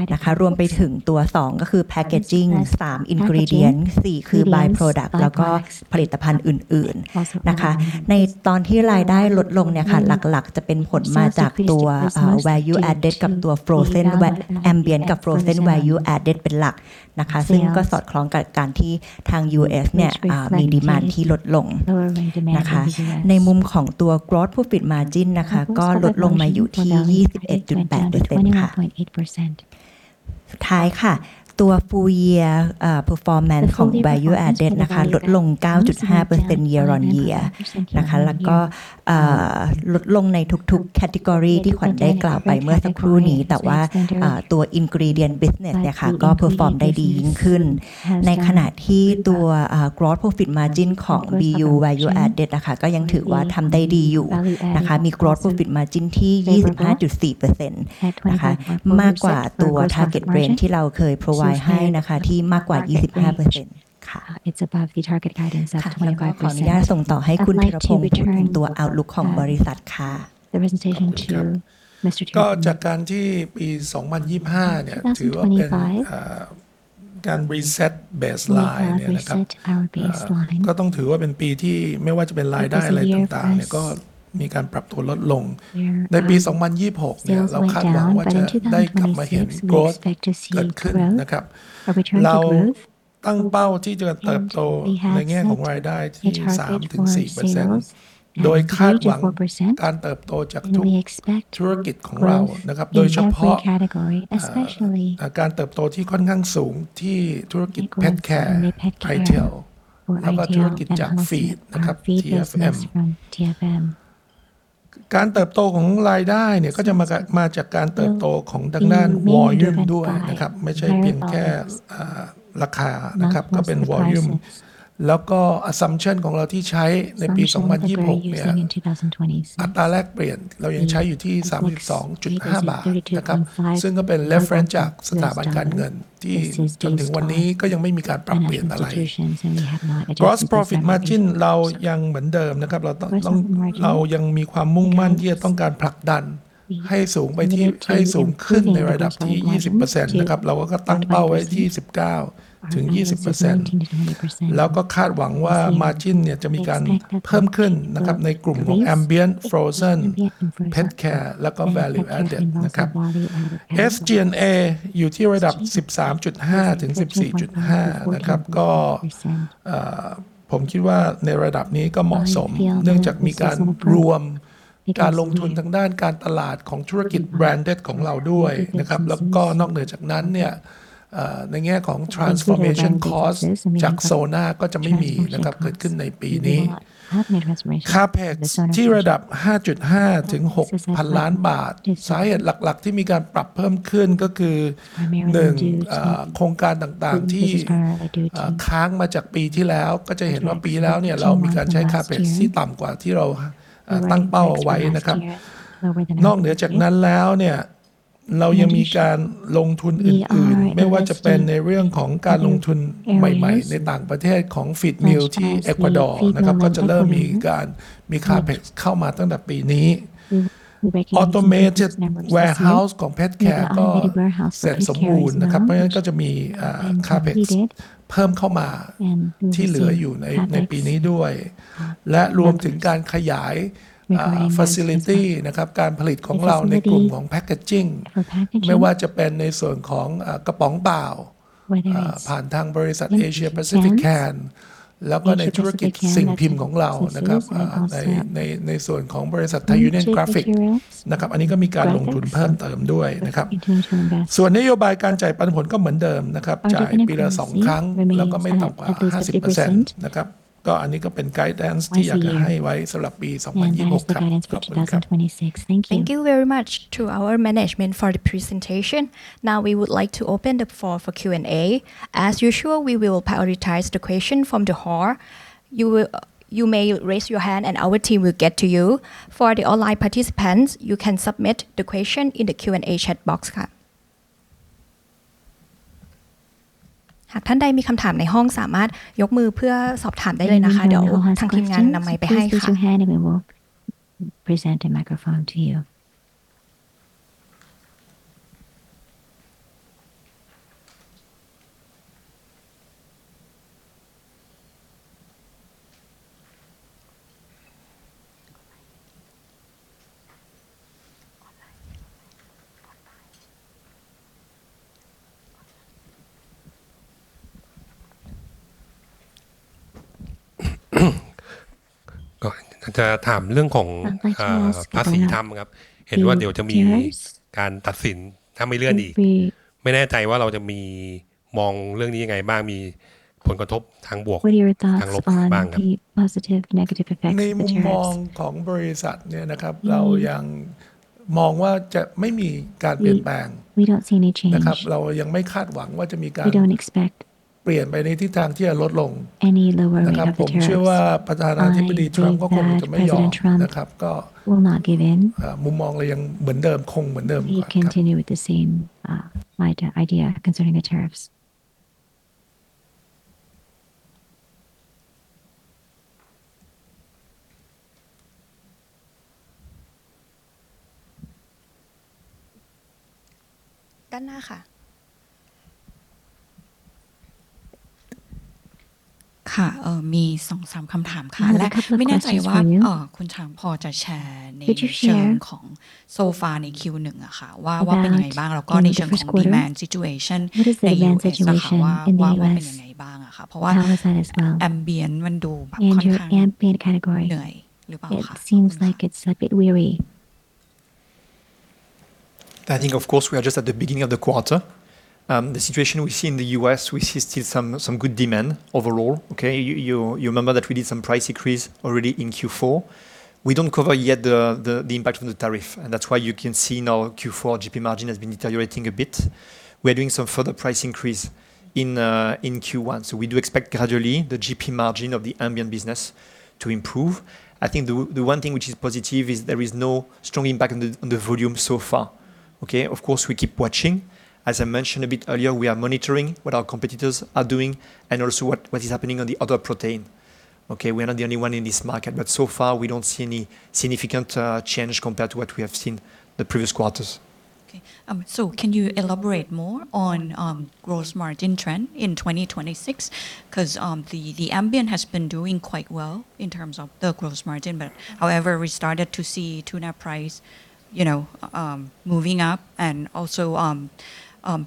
นะคะรวมไปถึงตัวสองก็คือ Packaging สาม Ingredients สี่คือ By-product แล้วก็ผลิตภัณฑ์อื่นๆนะคะในตอนที่รายได้ลดลงเนี่ยค่ะหลักๆจะเป็นผลมาจากตัว Value Added กับตัว Frozen Value Ambient กับ Frozen Value Added เป็นหลักนะคะซึ่งก็สอดคล้องกับการที่ทาง US เนี่ยมี demand ที่ลดลงนะคะในมุมของตัว Gross Profit Margin นะคะก็ลดลงมาอยู่ที่ 21.8% ค่ะสุดท้ายค่ะตัว full year performance ของ Value Added นะคะลดลง 9.5% year-on-year นะคะแล้วก็ลดลงในทุกๆ category ที่ขวัญได้กล่าวไปเมื่อสักครู่นี้แต่ว่าตัว Ingredient Business เนี่ยค่ะก็ perform ได้ดียิ่งขึ้นในขณะที่ตัว Gross Profit Margin ของ Value Added ค่ะก็ยังถือว่าทำได้ดีอยู่นะคะมี Gross Profit Margin ที่ 25.4% นะคะมากกว่าตัว target range ที่เราเคย provide ให้นะคะที่มากกว่า 25% ค่ะค่ะงั้นก็ขอนุญาตส่งต่อให้คุณธีรพงศ์พูดถึงตัว outlook ของบริษัทค่ะขอบคุณครับก็จากการที่ปี 2025 เนี่ยถือว่าเป็นการ Reset Baseline เนี่ยนะครับเออก็ต้องถือว่าเป็นปีที่ไม่ว่าจะเป็นรายได้อะไรต่างๆเนี่ยก็มีการปรับตัวลดลงในปี 2026 เนี่ยเราคาดหวังว่าจะได้กลับมาเห็น Growth เกิดขึ้นนะครับเราตั้งเป้าที่จะเติบโตในแง่ของรายได้ที่สามถึงสี่เปอร์เซ็นต์โดยคาดหวังการเติบโตจากทุกธุรกิจของเรานะครับโดยเฉพาะการเติบโตที่ค่อนข้างสูงที่ธุรกิจ Petcare, Retail แล้วก็ธุรกิจจาก Feed นะครับ TFM การเติบโตของรายได้เนี่ยก็จะมาจากการเติบโตของทางด้าน Volume ด้วยนะครับไม่ใช่เพียงแค่ราคานะครับก็เป็น Volume แล้วก็ Assumption ของเราที่ใช้ในปี 2026 เนี่ยอัตราแลกเปลี่ยนเรายังใช้อยู่ที่สามสิบสองจุดห้าบาทนะครับซึ่งก็เป็น Reference จากสถาบันการเงินที่จนถึงวันนี้ก็ยังไม่มีการปรับเปลี่ยนอะไร Gross Profit Margin เรายังเหมือนเดิมนะครับเราต้องเรายังมีความมุ่งมั่นที่จะต้องการผลักดันให้สูงไปที่ให้สูงขึ้นในระดับที่ยี่สิบเปอร์เซ็นต์นะครับเราก็ตั้งเป้าไว้ที่ยี่สิบเก้าถึงยี่สิบเปอร์เซ็นต์แล้วก็คาดหวังว่า Margin เนี่ยจะมีการเพิ่มขึ้นนะครับในกลุ่มของ Ambient, Frozen, Petcare แล้วก็ Value Added นะครับ SG&A อยู่ที่ระดับสิบสามจุดห้าถึงสิบสี่จุดห้านะครับก็ผมคิดว่าในระดับนี้ก็เหมาะสมเนื่องจากมีการรวมการลงทุนทางด้านการตลาดของธุรกิจ Branded ของเราด้วยนะครับแล้วก็นอกเหนือจากนั้นเนี่ยในแง่ของ Transformation Cost จาก Sonarr ก็จะไม่มีนะครับเกิดขึ้นในปีนี้ Capex ที่ระดับห้าจุดห้าถึงหกพันล้านบาทสาเหตุหลักๆที่มีการปรับเพิ่มขึ้นก็คือหนึ่งโครงการต่างๆที่ค้างมาจากปีที่แล้วก็จะเห็นว่าปีที่แล้วเนี่ยเรามีการใช้ Capex ที่ต่ำกว่าที่เราตั้งเป้าเอาไว้นะครับนอกเหนือจากนั้นแล้วเนี่ยเรายังมีการลงทุนอื่นๆไม่ว่าจะเป็นในเรื่องของการลงทุนใหม่ๆในต่างประเทศของ Feedmill ที่เอกวาดอร์นะครับก็จะเริ่มมีการมี Capex เข้ามาตั้งแต่ปีนี้ Automated Warehouse ของ Petcare ก็เสร็จสมบูรณ์นะครับเพราะฉะนั้นก็จะมี Capex เพิ่มเข้ามาที่เหลืออยู่ในปีนี้ด้วยและรวมถึงการขยาย Facility นะครับการผลิตของเราในกลุ่มของ Packaging ไม่ว่าจะเป็นในส่วนของกระป๋องเปล่าผ่านทางบริษัทเอเชียแปซิฟิกแคนแล้วก็ในธุรกิจสิ่งพิมพ์ของเรานะครับในส่วนของบริษัทไทยยูเนี่ยนกราฟิกนะครับอันนี้ก็มีการลงทุนเพิ่มเติมด้วยนะครับส่วนนโยบายการจ่ายปันผลก็เหมือนเดิมนะครับจ่ายปีละสองครั้งแล้วก็ไม่ต่ำกว่าห้าสิบเปอร์เซ็นต์นะครับก็อันนี้ก็เป็น Guidance ที่อยากจะให้ไว้สำหรับปี 2026 ค่ะขอบคุณครับ Thank you very much to our management for the presentation. Now we would like to open the floor for Q&A. As usual, we will prioritize the question from the hall. You may raise your hand and our team will get to you. For the online participants, you can submit the question in the Q&A chat box. หากท่านใดมีคำถามในห้องสามารถยกมือเพื่อสอบถามได้เลยนะคะ เดี๋ยวทางทีมงานนำไมค์ไปให้ค่ะ. Present a microphone to you. ก็จะถามเรื่องของภาษีทำครับเห็นว่าเดี๋ยวจะมีการตัดสินถ้าไม่เลื่อนอีกไม่แน่ใจว่าเราจะมีมองเรื่องนี้ยังไงบ้างมีผลกระทบทั้งบวกทั้งลบบ้างครับในมุมมองของบริษัทเนี่ยนะครับเรายังมองว่าจะไม่มีการเปลี่ยนแปลงนะครับเรายังไม่คาดหวังว่าจะมีการเปลี่ยนไปในทิศทางที่จะลดลงนะครับผมเชื่อว่าประธานาธิบดีทรัมป์ก็คงจะไม่ยอมนะครับมุมมองเรายังเหมือนเดิมคงเหมือนเดิมครับ继续 with the same idea concerning the tariffs. ด้านหน้าค่ะค่ะมีสองสามคำถามค่ะและไม่แน่ใจว่าคุณถังพอจะแชร์ในเชิงของโซฟาใน Q1 ค่ะว่าเป็นยังไงบ้างแล้วก็ในเชิงของ demand situation ใน US ค่ะว่าเป็นยังไงบ้างค่ะเพราะว่า Ambient มันดูแบบค่อนข้างเหนื่อยหรือเปล่าคะ I think of course, we are just at the beginning of the quarter. The situation we see in the US, we see still some good demand overall. You remember that we did some price increase already in Q4. We don't cover yet the impact from the tariff, and that's why you can see now Q4 GP margin has been deteriorating a bit. We are doing some further price increase in Q1, so we do expect gradually the GP margin of the Ambient business to improve. I think the one thing which is positive is there is no strong impact on the volume so far. Of course, we keep watching. As I mentioned a bit earlier, we are monitoring what our competitors are doing and also what is happening on the other protein. We are not the only one in this market, but so far we don't see any significant change compared to what we have seen the previous quarters. Can you elaborate more on gross margin trend in 2026? Because the ambient has been doing quite well in terms of the gross margin. However, we started to see tuna price moving up and also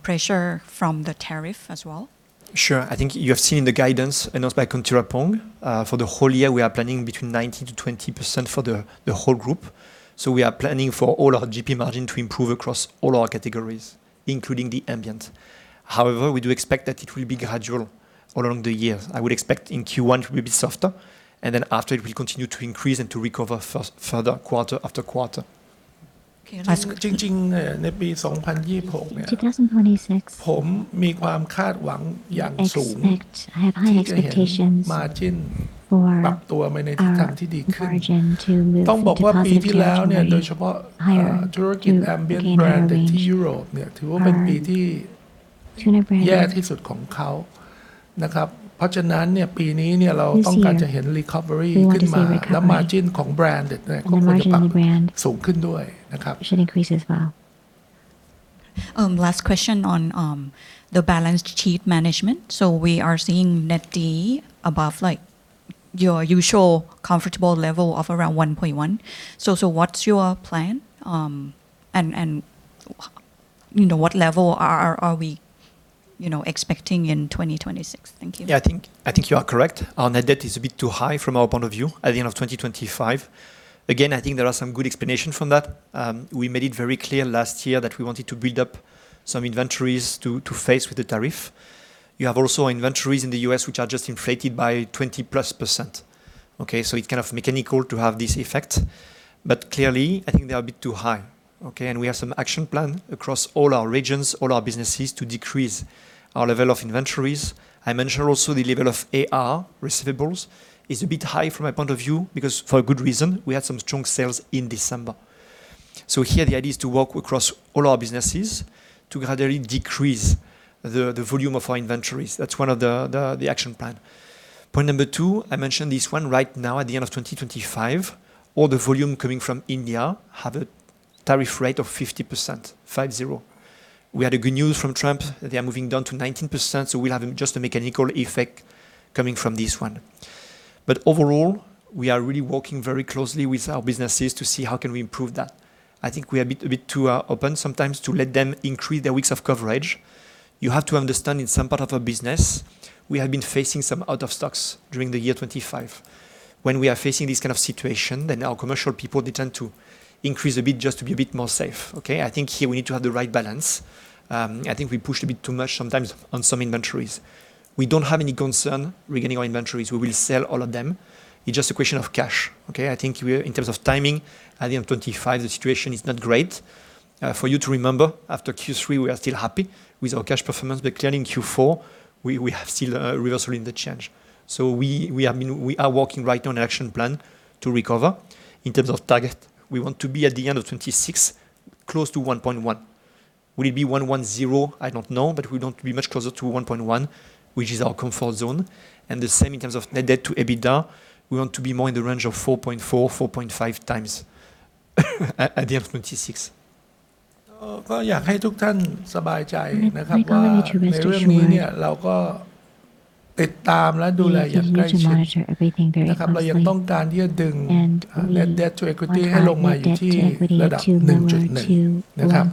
pressure from the tariff as well. Sure. I think you have seen the guidance announced by Khun Tirapong. For the whole year, we are planning between 19% to 20% for the whole group. So we are planning for all our GP margin to improve across all our categories, including the ambient. However, we do expect that it will be gradual along the year. I would expect in Q1 will be softer and then after it will continue to increase and to recover further quarter after quarter. จริงๆในปี 2026 เนี่ย I expect I have high expectations margin ปรับตัวไปในทิศทางที่ดีขึ้นต้องบอกว่าปีที่แล้วเนี่ยโดยเฉพาะธุรกิจ Ambient Brand ในที่ยุโรปเนี่ยถือว่าเป็นปีที่แย่ที่สุดของเขานะครับเพราะฉนั้นเนี่ยปีนี้เนี่ยเราต้องการจะเห็น recovery ขึ้นมาแล้ว margin ของแบรนด์เนี่ยก็ควรจะปรับสูงขึ้นด้วยนะครับ Last question on the balance sheet management. We are seeing net D above like your usual comfortable level of around 1.1. What's your plan? And you know, what level are we expecting in 2026? Thank you. I think you are correct. Our net debt is a bit too high from our point of view at the end of 2025. Again, I think there are some good explanation from that. We made it very clear last year that we wanted to build up some inventories to face with the tariff. You have also inventories in the US which are just inflated by 20+%. It kind of mechanical to have this effect, but clearly I think they are a bit too high. We have some action plan across all our regions, all our businesses to decrease our level of inventories. I mentioned also the level of AR receivables is a bit high from my point of view, because for a good reason, we had some strong sales in December. Here the idea is to work across all our businesses to gradually decrease the volume of our inventories. That's one of the action plan. Point number two, I mentioned this one right now, at the end of 2025, all the volume coming from India have a tariff rate of 50%, five zero. We had a good news from Trump that they are moving down to 19%. We'll have just a mechanical effect coming from this one. But overall, we are really working very closely with our businesses to see how can we improve that. I think we are a bit too open sometimes to let them increase their weeks of coverage. You have to understand, in some part of our business, we have been facing some out of stocks during the year 2025. When we are facing this kind of situation, then our commercial people, they tend to increase a bit just to be a bit more safe. I think here we need to have the right balance. I think we pushed a bit too much sometimes on some inventories. We don't have any concern regarding our inventories. We will sell all of them. It's just a question of cash. I think we in terms of timing, at the end of 2025, the situation is not great. For you to remember, after Q3, we are still happy with our cash performance, but clearly in Q4, we have still a reversal in the change. We are working right on an action plan to recover. In terms of target, we want to be at the end of 2026, close to 1.1. Will it be $110? I don't know, but we want to be much closer to 1.1, which is our comfort zone. And the same in terms of net debt to EBITDA. We want to be more in the range of 4.4, 4.5 times at the end of 2026. ก็อยากให้ทุกท่านสบายใจนะครับว่าในเรื่องนี้เนี่ยเราก็ติดตามและดูแลอย่างใกล้ชิดนะครับเรายังต้องการที่จะดึง net debt to equity ให้ลงมาอยู่ที่ระดับหนึ่งจุดหนึ่งนะครับ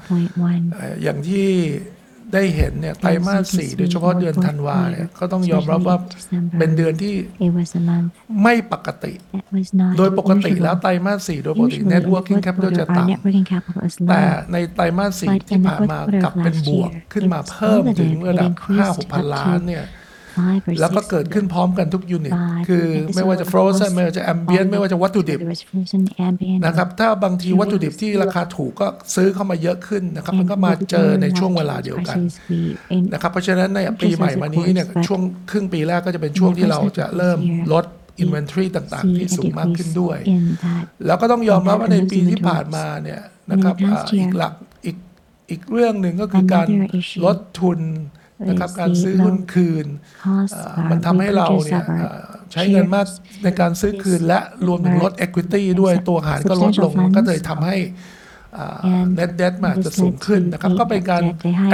โดยปกติแล้วไตรมาสสี่โดยปกติ net working capital จะต่ำแต่ในไตรมาสสี่ที่ผ่านมากลับเป็นบวกขึ้นมาเพิ่มถึงระดับห้าถึงหกพันล้านเนี่ยแล้วก็เกิดขึ้นพร้อมกันทุกยูนิตคือไม่ว่าจะ frozen ไม่ว่าจะ ambient ไม่ว่าจะวัตถุดิบนะครับถ้าบางทีวัตถุดิบที่ราคาถูกก็ซื้อเข้ามาเยอะขึ้นนะครับมันก็มาเจอในช่วงเวลาเดียวกันนะครับเพราะฉะนั้นในปีใหม่มานี้เนี่ยช่วงครึ่งปีแรกก็จะเป็นช่วงที่เราจะเริ่มลด inventory ต่างๆที่สูงมากขึ้นด้วยแล้วก็ต้องยอมรับว่าในปีที่ผ่านมาเนี่ยนะครับอีกหลักอีกเรื่องหนึ่งก็คือการลดทุนนะครับการซื้อหุ้นคืนมันทำให้เราเนี่ยใช้เงินมากในการซื้อคืนและรวมถึงลด equity ด้วยตัวหารก็ลดลงมันก็เลยทำให้ net debt มันอาจจะสูงขึ้นนะครับก็เป็นการ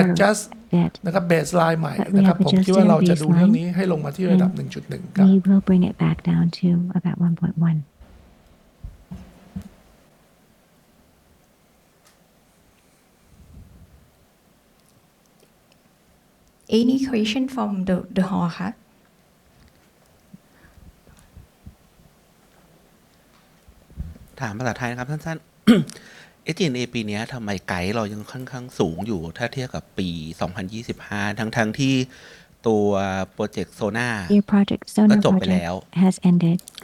adjust นะครับ baseline ใหม่นะครับผมคิดว่าเราจะดูเรื่องนี้ให้ลงมาที่ระดับหนึ่งจุดหนึ่งครับ We will bring it back down to about 1.1. Any question from the hall? ถามภาษาไทยนะครับสั้นๆ SG&A ปีนี้ทำไมไกด์เรายังค่อนข้างสูงอยู่ถ้าเทียบกับปี 2025 ทั้งๆ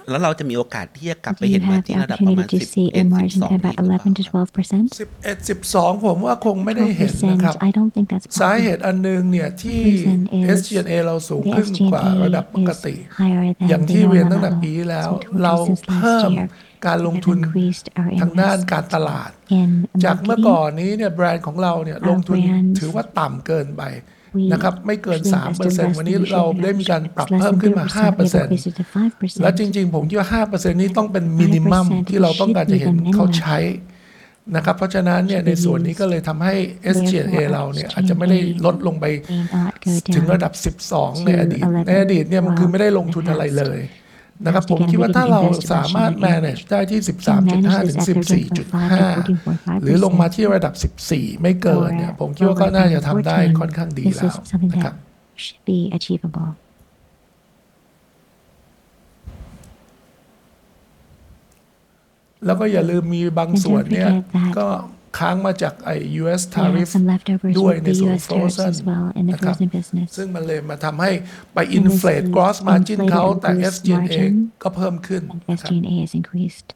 ที่ตัวโปรเจคโซน่าก็จบไปแล้วแล้วเราจะมีโอกาสที่จะกลับไปเห็น margin ที่ระดับประมาณสิบเอ็ดถึงสิบสองอีกหรือเปล่าสิบเอ็ดสิบสองผมว่าคงไม่ได้เห็นนะครับสาเหตุอันหนึ่งเนี่ยที่ SG&A เราสูงขึ้นกว่าระดับปกติอย่างที่เรียนตั้งแต่ปีที่แล้วเราเพิ่มการลงทุนทางด้านการตลาดจากเมื่อก่อนนี้เนี่ยแบรนด์ของเราเนี่ยลงทุนถือว่าต่ำเกินไปนะครับไม่เกิน 3% วันนี้เราได้มีการปรับเพิ่มขึ้นมา 5% และจริงๆผมคิดว่า 5% นี้ต้องเป็น minimum ที่เราต้องการจะเห็นเขาใช้นะครับเพราะฉะนั้นเนี่ยในส่วนนี้ก็เลยทำให้ SG&A เราเนี่ยอาจจะไม่ได้ลดลงไปถึงระดับสิบสองในอดีตในอดีตเนี่ยมันคือไม่ได้ลงทุนอะไรเลยครับผมคิดว่าถ้าเราสามารถ manage ได้ที่ 13.5 ถึง 14.5 หรือลงมาที่ระดับ 14 ไม่เกินนี่ยผมคิดว่าก็น่าจะทำได้ค่อนข้างดีแล้วครับแล้วก็อย่าลืมมีบางส่วนนี่ยก็ค้างมาจากไอ US Tariff ด้วยในส่วน Frozen ครับซึ่งมันเลยมาทำให้ไป inflate gross margin เข้าแต่ SG&A ก็เพิ่มขึ้นครับ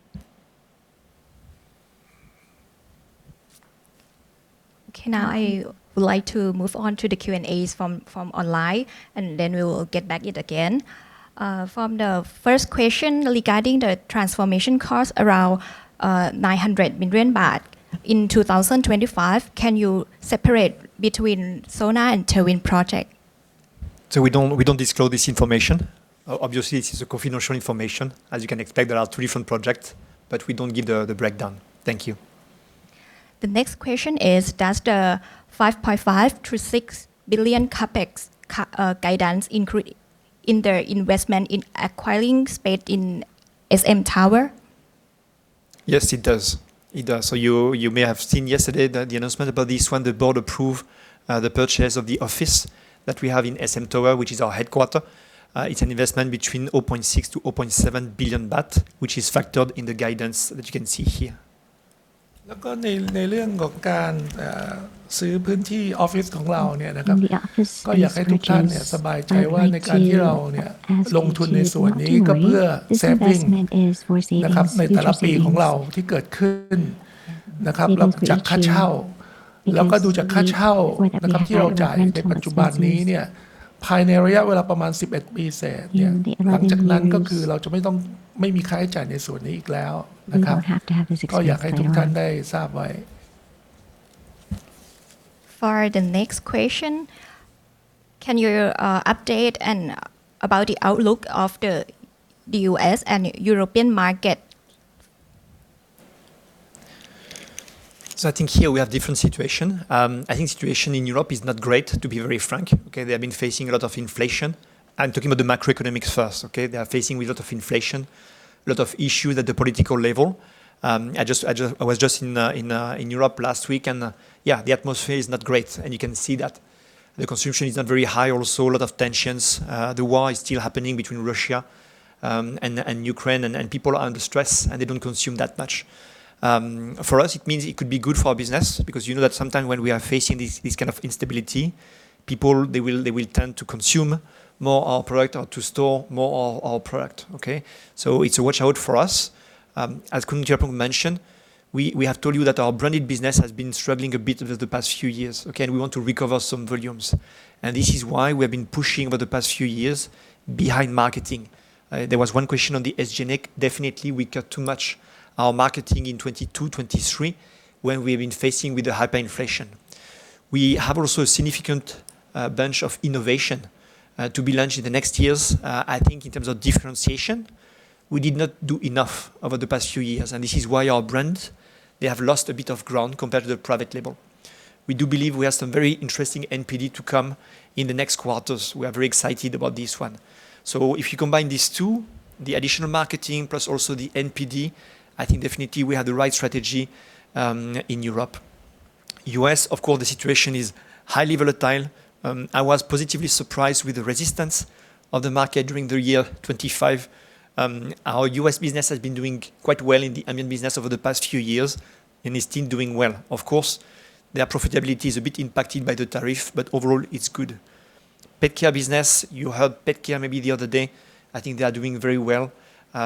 Okay, now I would like to move on to the Q&A from online, and then we will get back to it again. From the first question regarding the transformation cost around ฿900 million in 2025, can you separate between Sonar and Project Tailwind? We don't disclose this information. Obviously, this is confidential information. As you can expect, there are two different projects, but we don't give the breakdown. Thank you. The next question is, does the $5.5 billion to $6 billion CapEx guidance include the investment in acquiring space in SM Tower? Yes, it does. It does. You may have seen yesterday that the announcement about this one, the board approved the purchase of the office that we have in SM Tower, which is our headquarter. It's an investment between ฿0.6 to ฿0.7 billion, which is factored in the guidance that you can see here. แล้วก็ในเรื่องของการซื้อพื้นที่ออฟฟิศของเราเนี่ยนะครับ And the office ก็อยากให้ทุกท่านเนี่ยสบายใจว่าในการที่เราเนี่ยลงทุนในส่วนนี้ก็เพื่อ saving นะครับในแต่ละปีของเราที่เกิดขึ้นนะครับแล้วจากค่าเช่าแล้วก็ดูจากค่าเช่านะครับที่เราจ่ายในปัจจุบันนี้เนี่ยภายในระยะเวลาประมาณสิบเอ็ดปีเศษเนี่ยหลังจากนั้นก็คือเราจะไม่ต้องไม่มีค่าใช้จ่ายในส่วนนี้อีกแล้วนะครับก็อยากให้ทุกท่านได้ทราบไว้ For the next question, can you update about the outlook of the US and European market? I think here we have different situation. I think situation in Europe is not great, to be very frank. They have been facing a lot of inflation. I'm talking about the macroeconomics first. They are facing with a lot of inflation, a lot of issues at the political level. I was just in Europe last week and, yeah, the atmosphere is not great, and you can see that. The consumption is not very high. Also, a lot of tensions. The war is still happening between Russia and Ukraine, and people are under stress, and they don't consume that much. For us, it means it could be good for our business, because you know that sometimes when we are facing this kind of instability, people will tend to consume more our product or to store more our product. So it's a watch out for us. As Kun Japol mentioned, we have told you that our branded business has been struggling a bit over the past few years. We want to recover some volumes. This is why we have been pushing over the past few years behind marketing. There was one question on the SG&A. Definitely, we cut too much our marketing in 2022, 2023, when we have been facing with the hyperinflation. We have also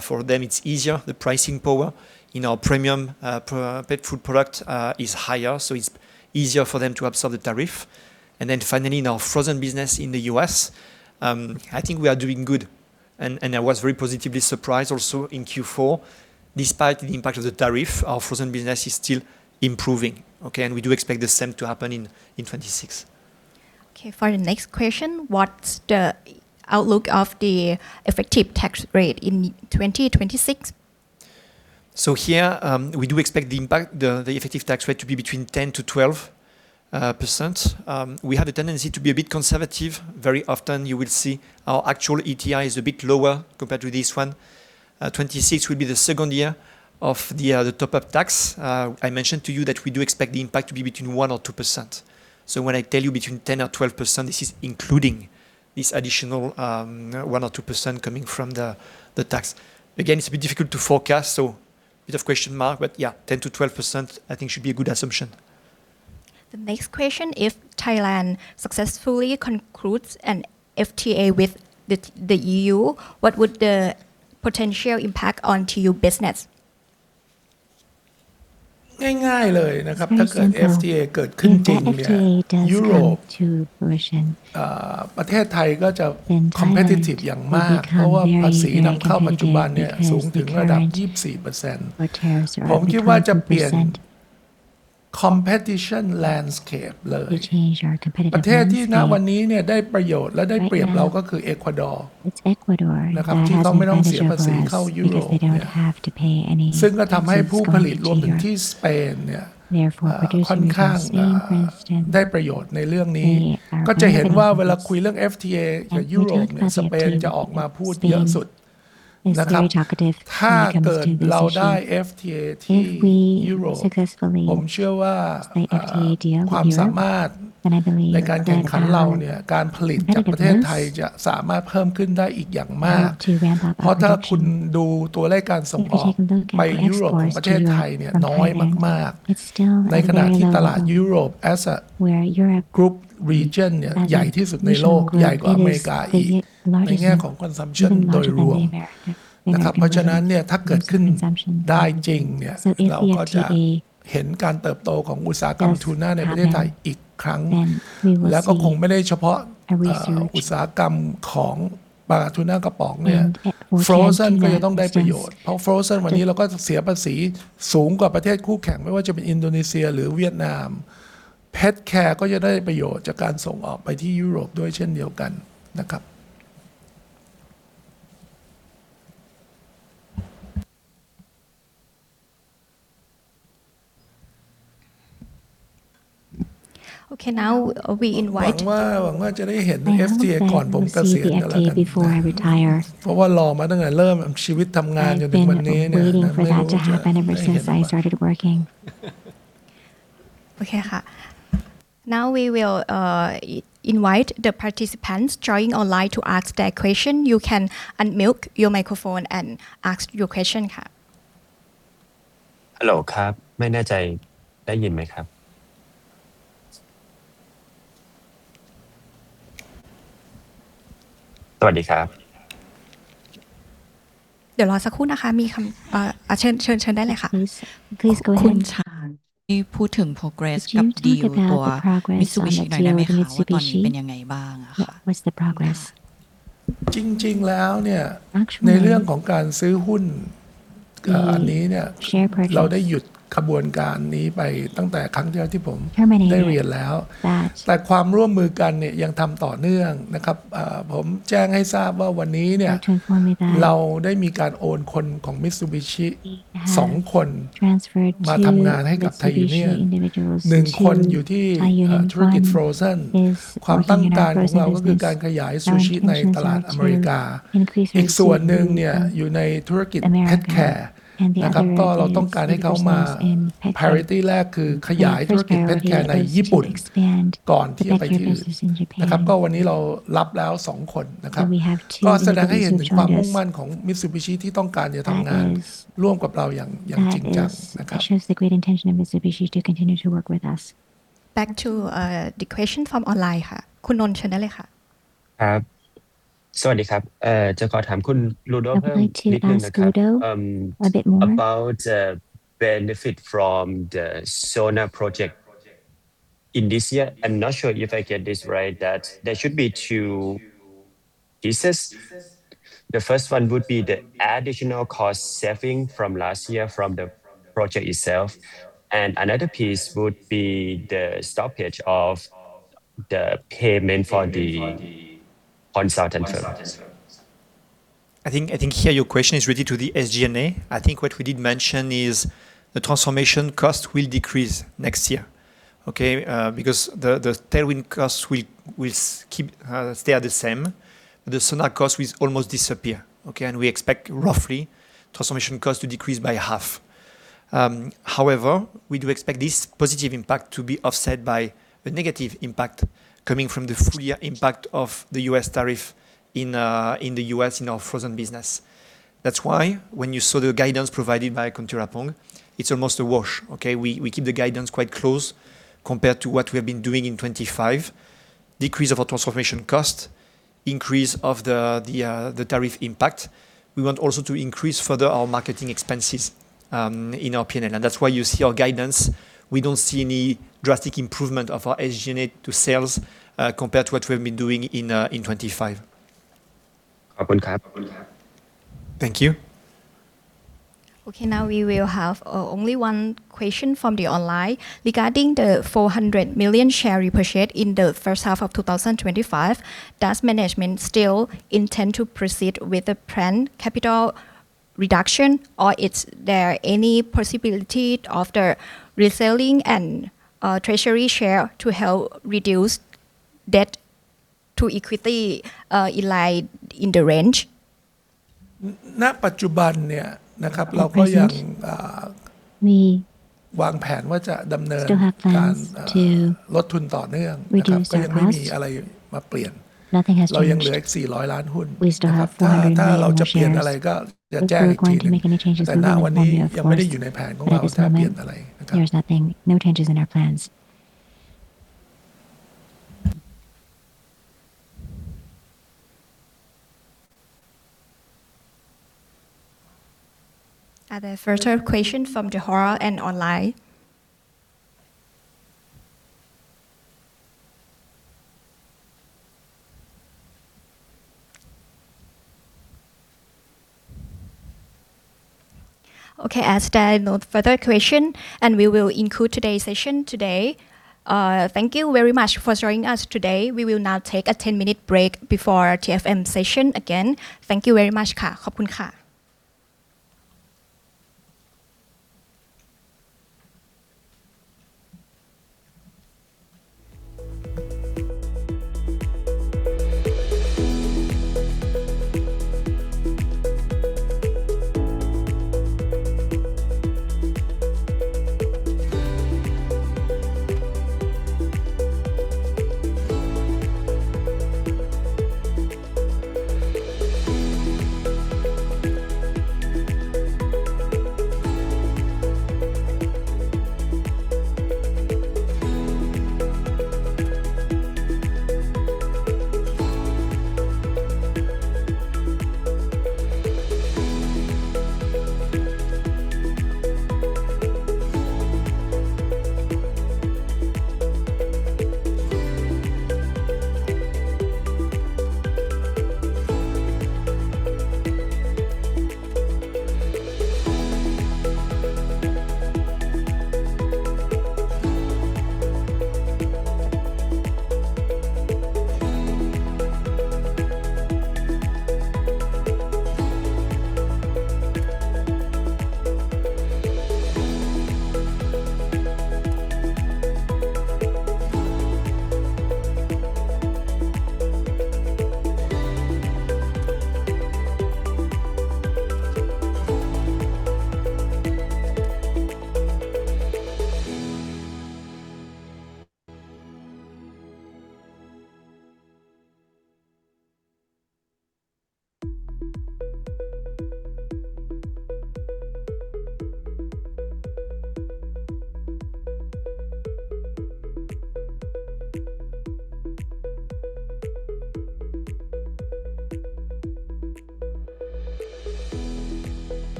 For them, it's easier. The pricing power in our premium pet food product is higher, so it's easier for them to absorb the tariff. Finally, in our frozen business in the U.S., I think we are doing good. I was very positively surprised also in Q4, despite the impact of the tariff, our frozen business is still improving. Okay, and we do expect the same to happen in 2026. Okay, for the next question, what's the outlook of the effective tax rate in 2026? Here, we do expect the impact, the effective tax rate to be between 10% to 12%. We have a tendency to be a bit conservative. Very often, you will see our actual ETR is a bit lower compared to this one. 26 will be the second year of the top-up tax. I mentioned to you that we do expect the impact to be between 1% or 2%. When I tell you between 10% or 12%, this is including this additional 1% or 2% coming from the tax. Again, it's a bit difficult to forecast, so bit of question mark, but yeah, 10% to 12% I think should be a good assumption. The next question, if Thailand successfully concludes an FTA with the EU, what would the potential impact on your business? ง่ายๆเลยนะครับถ้าเกิด FTA เกิดขึ้นจริงเนี่ยยุโรปเอ่อประเทศไทยก็จะ competitive อย่างมากเพราะว่าภาษีนำเข้าปัจจุบันเนี่ยสูงถึงระดับยี่สิบสี่เปอร์เซ็นต์ผมคิดว่าจะเปลี่ยน competition landscape เลยประเทศที่ณวันนี้เนี่ยได้ประโยชน์และได้เปรียบเราก็คือเอกวาดอร์นะครับที่เขาไม่ต้องเสียภาษีเข้ายุโรปเนี่ยซึ่งก็ทำให้ผู้ผลิตรวมถึงที่สเปนเนี่ยเอ่อค่อนข้างเอ่อได้ประโยชน์ในเรื่องนี้ก็จะเห็นว่าเวลาคุยเรื่อง FTA กับยุโรปเนี่ยสเปนจะออกมาพูดเยอะสุดครับถ้าเกิดเราได้ FTA ที่ Europe ผมเชื่อว่าความสามารถในการแข่งขันเราการผลิตจากประเทศไทยจะสามารถเพิ่มขึ้นได้อีกอย่างมากเพราะถ้าคุณดูตัวเลขการส่งออกไปยุโรปของประเทศไทยน้อยมากๆในขณะที่ตลาดยุโรป as a group region ใหญ่ที่สุดในโลกใหญ่กว่าอเมริกาอีกในแง่ของ consumption โดยรวมครับแล้วก็คงไม่ได้เฉพาะอุตสาหกรรมของปลาทูน่ากระป๋อง Frozen ก็จะต้องได้ประโยชน์เพราะ Frozen วันนี้เราก็เสียภาษีสูงกว่าประเทศคู่แข่งไม่ว่าจะเป็นอินโดนีเซียหรือเวียดนาม Pet care ก็จะได้ประโยชน์จากการส่งออกไปที่ยุโรปด้วยเช่นเดียวกันครับ Okay, now we invite หวังว่าจะได้เห็น FTA ก่อนผมเกษียณกันนะครับเพราะว่ารอมาตั้งแต่เริ่มชีวิตทำงานจนถึงวันนี้เนี่ยนะไม่รู้จะเห็นหรือเปล่า Okay ค่ะ Now we will invite the participants joining online to ask their question. You can unmute your microphone and ask your question ค่ะฮัลโหลครับไม่แน่ใจได้ยินไหมครับสวัสดีครับเดี๋ยวรอสักครู่นะคะมีคำเอ่อเชิญเชิญเชิญได้เลยค่ะ Please go ahead, Chan. พูดถึง progress กับดีลตัว Mitsubishi ได้ไหมคะว่าตอนนี้เป็นยังไงบ้างอ่ะค่ะจริงๆแล้วเนี่ยในเรื่องของการซื้อหุ้นอันนี้เนี่ยเราได้หยุดขบวนการนี้ไปตั้งแต่ครั้งที่แล้วที่ผมได้เรียนแล้วแต่ความร่วมมือกันเนี่ยยังทำต่อเนื่องนะครับผมแจ้งให้ทราบว่าวันนี้เนี่ยเราได้มีการโอนคนของ Mitsubishi สองคนมาทำงานให้กับ Thai Union หนึ่งคนอยู่ที่ธุรกิจ Frozen ความต้องการของเราก็คือการขยายซูชิในตลาดอเมริกาอีกส่วนหนึ่งเนี่ยอยู่ในธุรกิจ Pet Care นะครับเราต้องการให้เขามา priority แรกคือขยายธุรกิจ Pet Care ในญี่ปุ่นก่อนที่จะไปที่อื่นนะครับวันนี้เรารับแล้วสองคนนะครับแสดงให้เห็นถึงความมุ่งมั่นของ Mitsubishi ที่ต้องการจะทำงานร่วมกับเราอย่างจริงจังนะครับ Back to the question from online ค่ะคุณนนท์เชิญได้เลยค่ะครับสวัสดีครับเอ่อจะขอถามคุณลูโดเพิ่มนิดนึงนะครับเอิ่ม about the benefit from the Sonarr project in this year. I'm not sure if I get this right that there should be two pieces. The first one would be the additional cost saving from last year from the project itself. And another piece would be the stoppage of the payment for the consultant firm. I think here your question is really to the SGNA. I think what we did mention is the transformation cost will decrease next year because the tailwind costs will keep, stay the same. The Sonarr cost will almost disappear, and we expect roughly transformation cost to decrease by half. However, we do expect this positive impact to be offset by the negative impact coming from the full year impact of the US tariff in the US in our frozen business. That's why when you saw the guidance provided by Kontrapong, it's almost a wash. We keep the guidance quite close compared to what we have been doing in 2025. Decrease of our transformation cost, increase of the tariff impact. We want also to increase further our marketing expenses in our P&L, and that's why you see our guidance. We don't see any drastic improvement of our SG&A to sales compared to what we've been doing in 2025. ขอบคุณครับ Thank you. Okay, now we will have only one question from the online. Regarding the $400 million share repurchase in the first half of 2025, does management still intend to proceed with the planned capital reduction or is there any possibility of reselling treasury shares to help reduce debt to equity in line in the range? ณปัจจุบันเนี่ยนะครับเราก็ยังเอ่อมีวางแผนว่าจะดำเนินการ to ลดทุนต่อเนื่องนะครับ Reduce our cost. ก็ยังไม่มีอะไรมาเปลี่ยน Nothing has changed. เรายังเหลืออีกสี่ร้อยล้านหุ้นนะครับ We still have ถ้าเราจะเปลี่ยนอะไรก็จะแจ้งอีกทีนึงแต่ณวันนี้ยังไม่ได้อยู่ในแผนของเราถ้าเปลี่ยนอะไรนะครับ There is nothing, no changes in our plans. Are there further questions from the hall and online? Okay, as there are no further questions, we will conclude today's session. Thank you very much for joining us today. We will now take a ten minute break before the TFM session again. Thank you very much.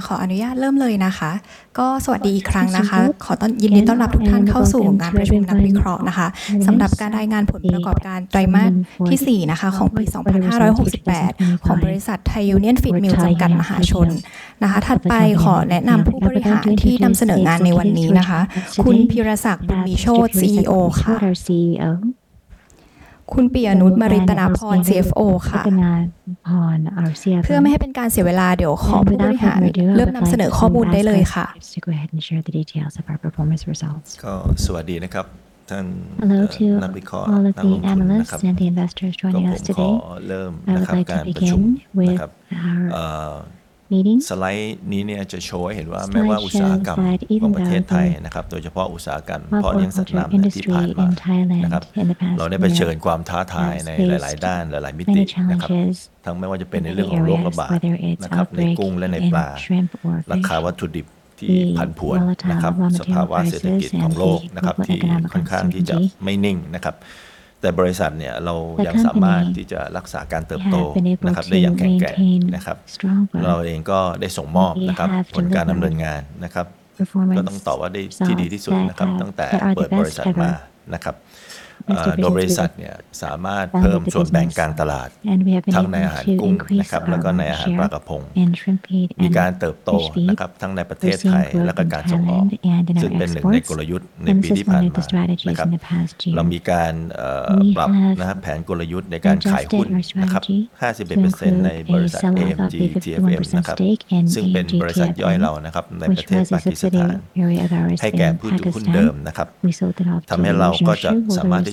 ขอบคุณค่ะค่ะขออนุญาตเริ่มเลยนะคะก็สวัสดีอีกครั้งนะคะขอต้อนรับทุกท่านเข้าสู่งานประชุมนักวิเคราะห์นะคะสำหรับการรายงานผลประกอบการไตรมาสที่สี่นะคะของปี 2568 ของบริษัทไทยยูเนี่ยนฟีดมิลล์จำกัดมหาชนนะคะถัดไปขอแนะนำผู้บริหารที่นำเสนองานในวันนี้นะคะคุณพีรศักดิ์ดุมรีโชติ CEO ค่ะคุณปิยะนุชมาริตนพร CFO ค่ะเพื่อไม่ให้เป็นการเสียเวลาเดี๋ยวขอผู้บริหารเริ่มนำเสนอข้อมูลได้เลยค่ะก็สวัสดีนะครับท่านนักวิเคราะห์นักลงทุนนะครับก็ผมขอเริ่มนะครับการประชุมนะครับสไลด์นี้เนี่ยจะโชว์ให้เห็นว่าแม้ว่าอุตสาหกรรมของประเทศไทยนะครับ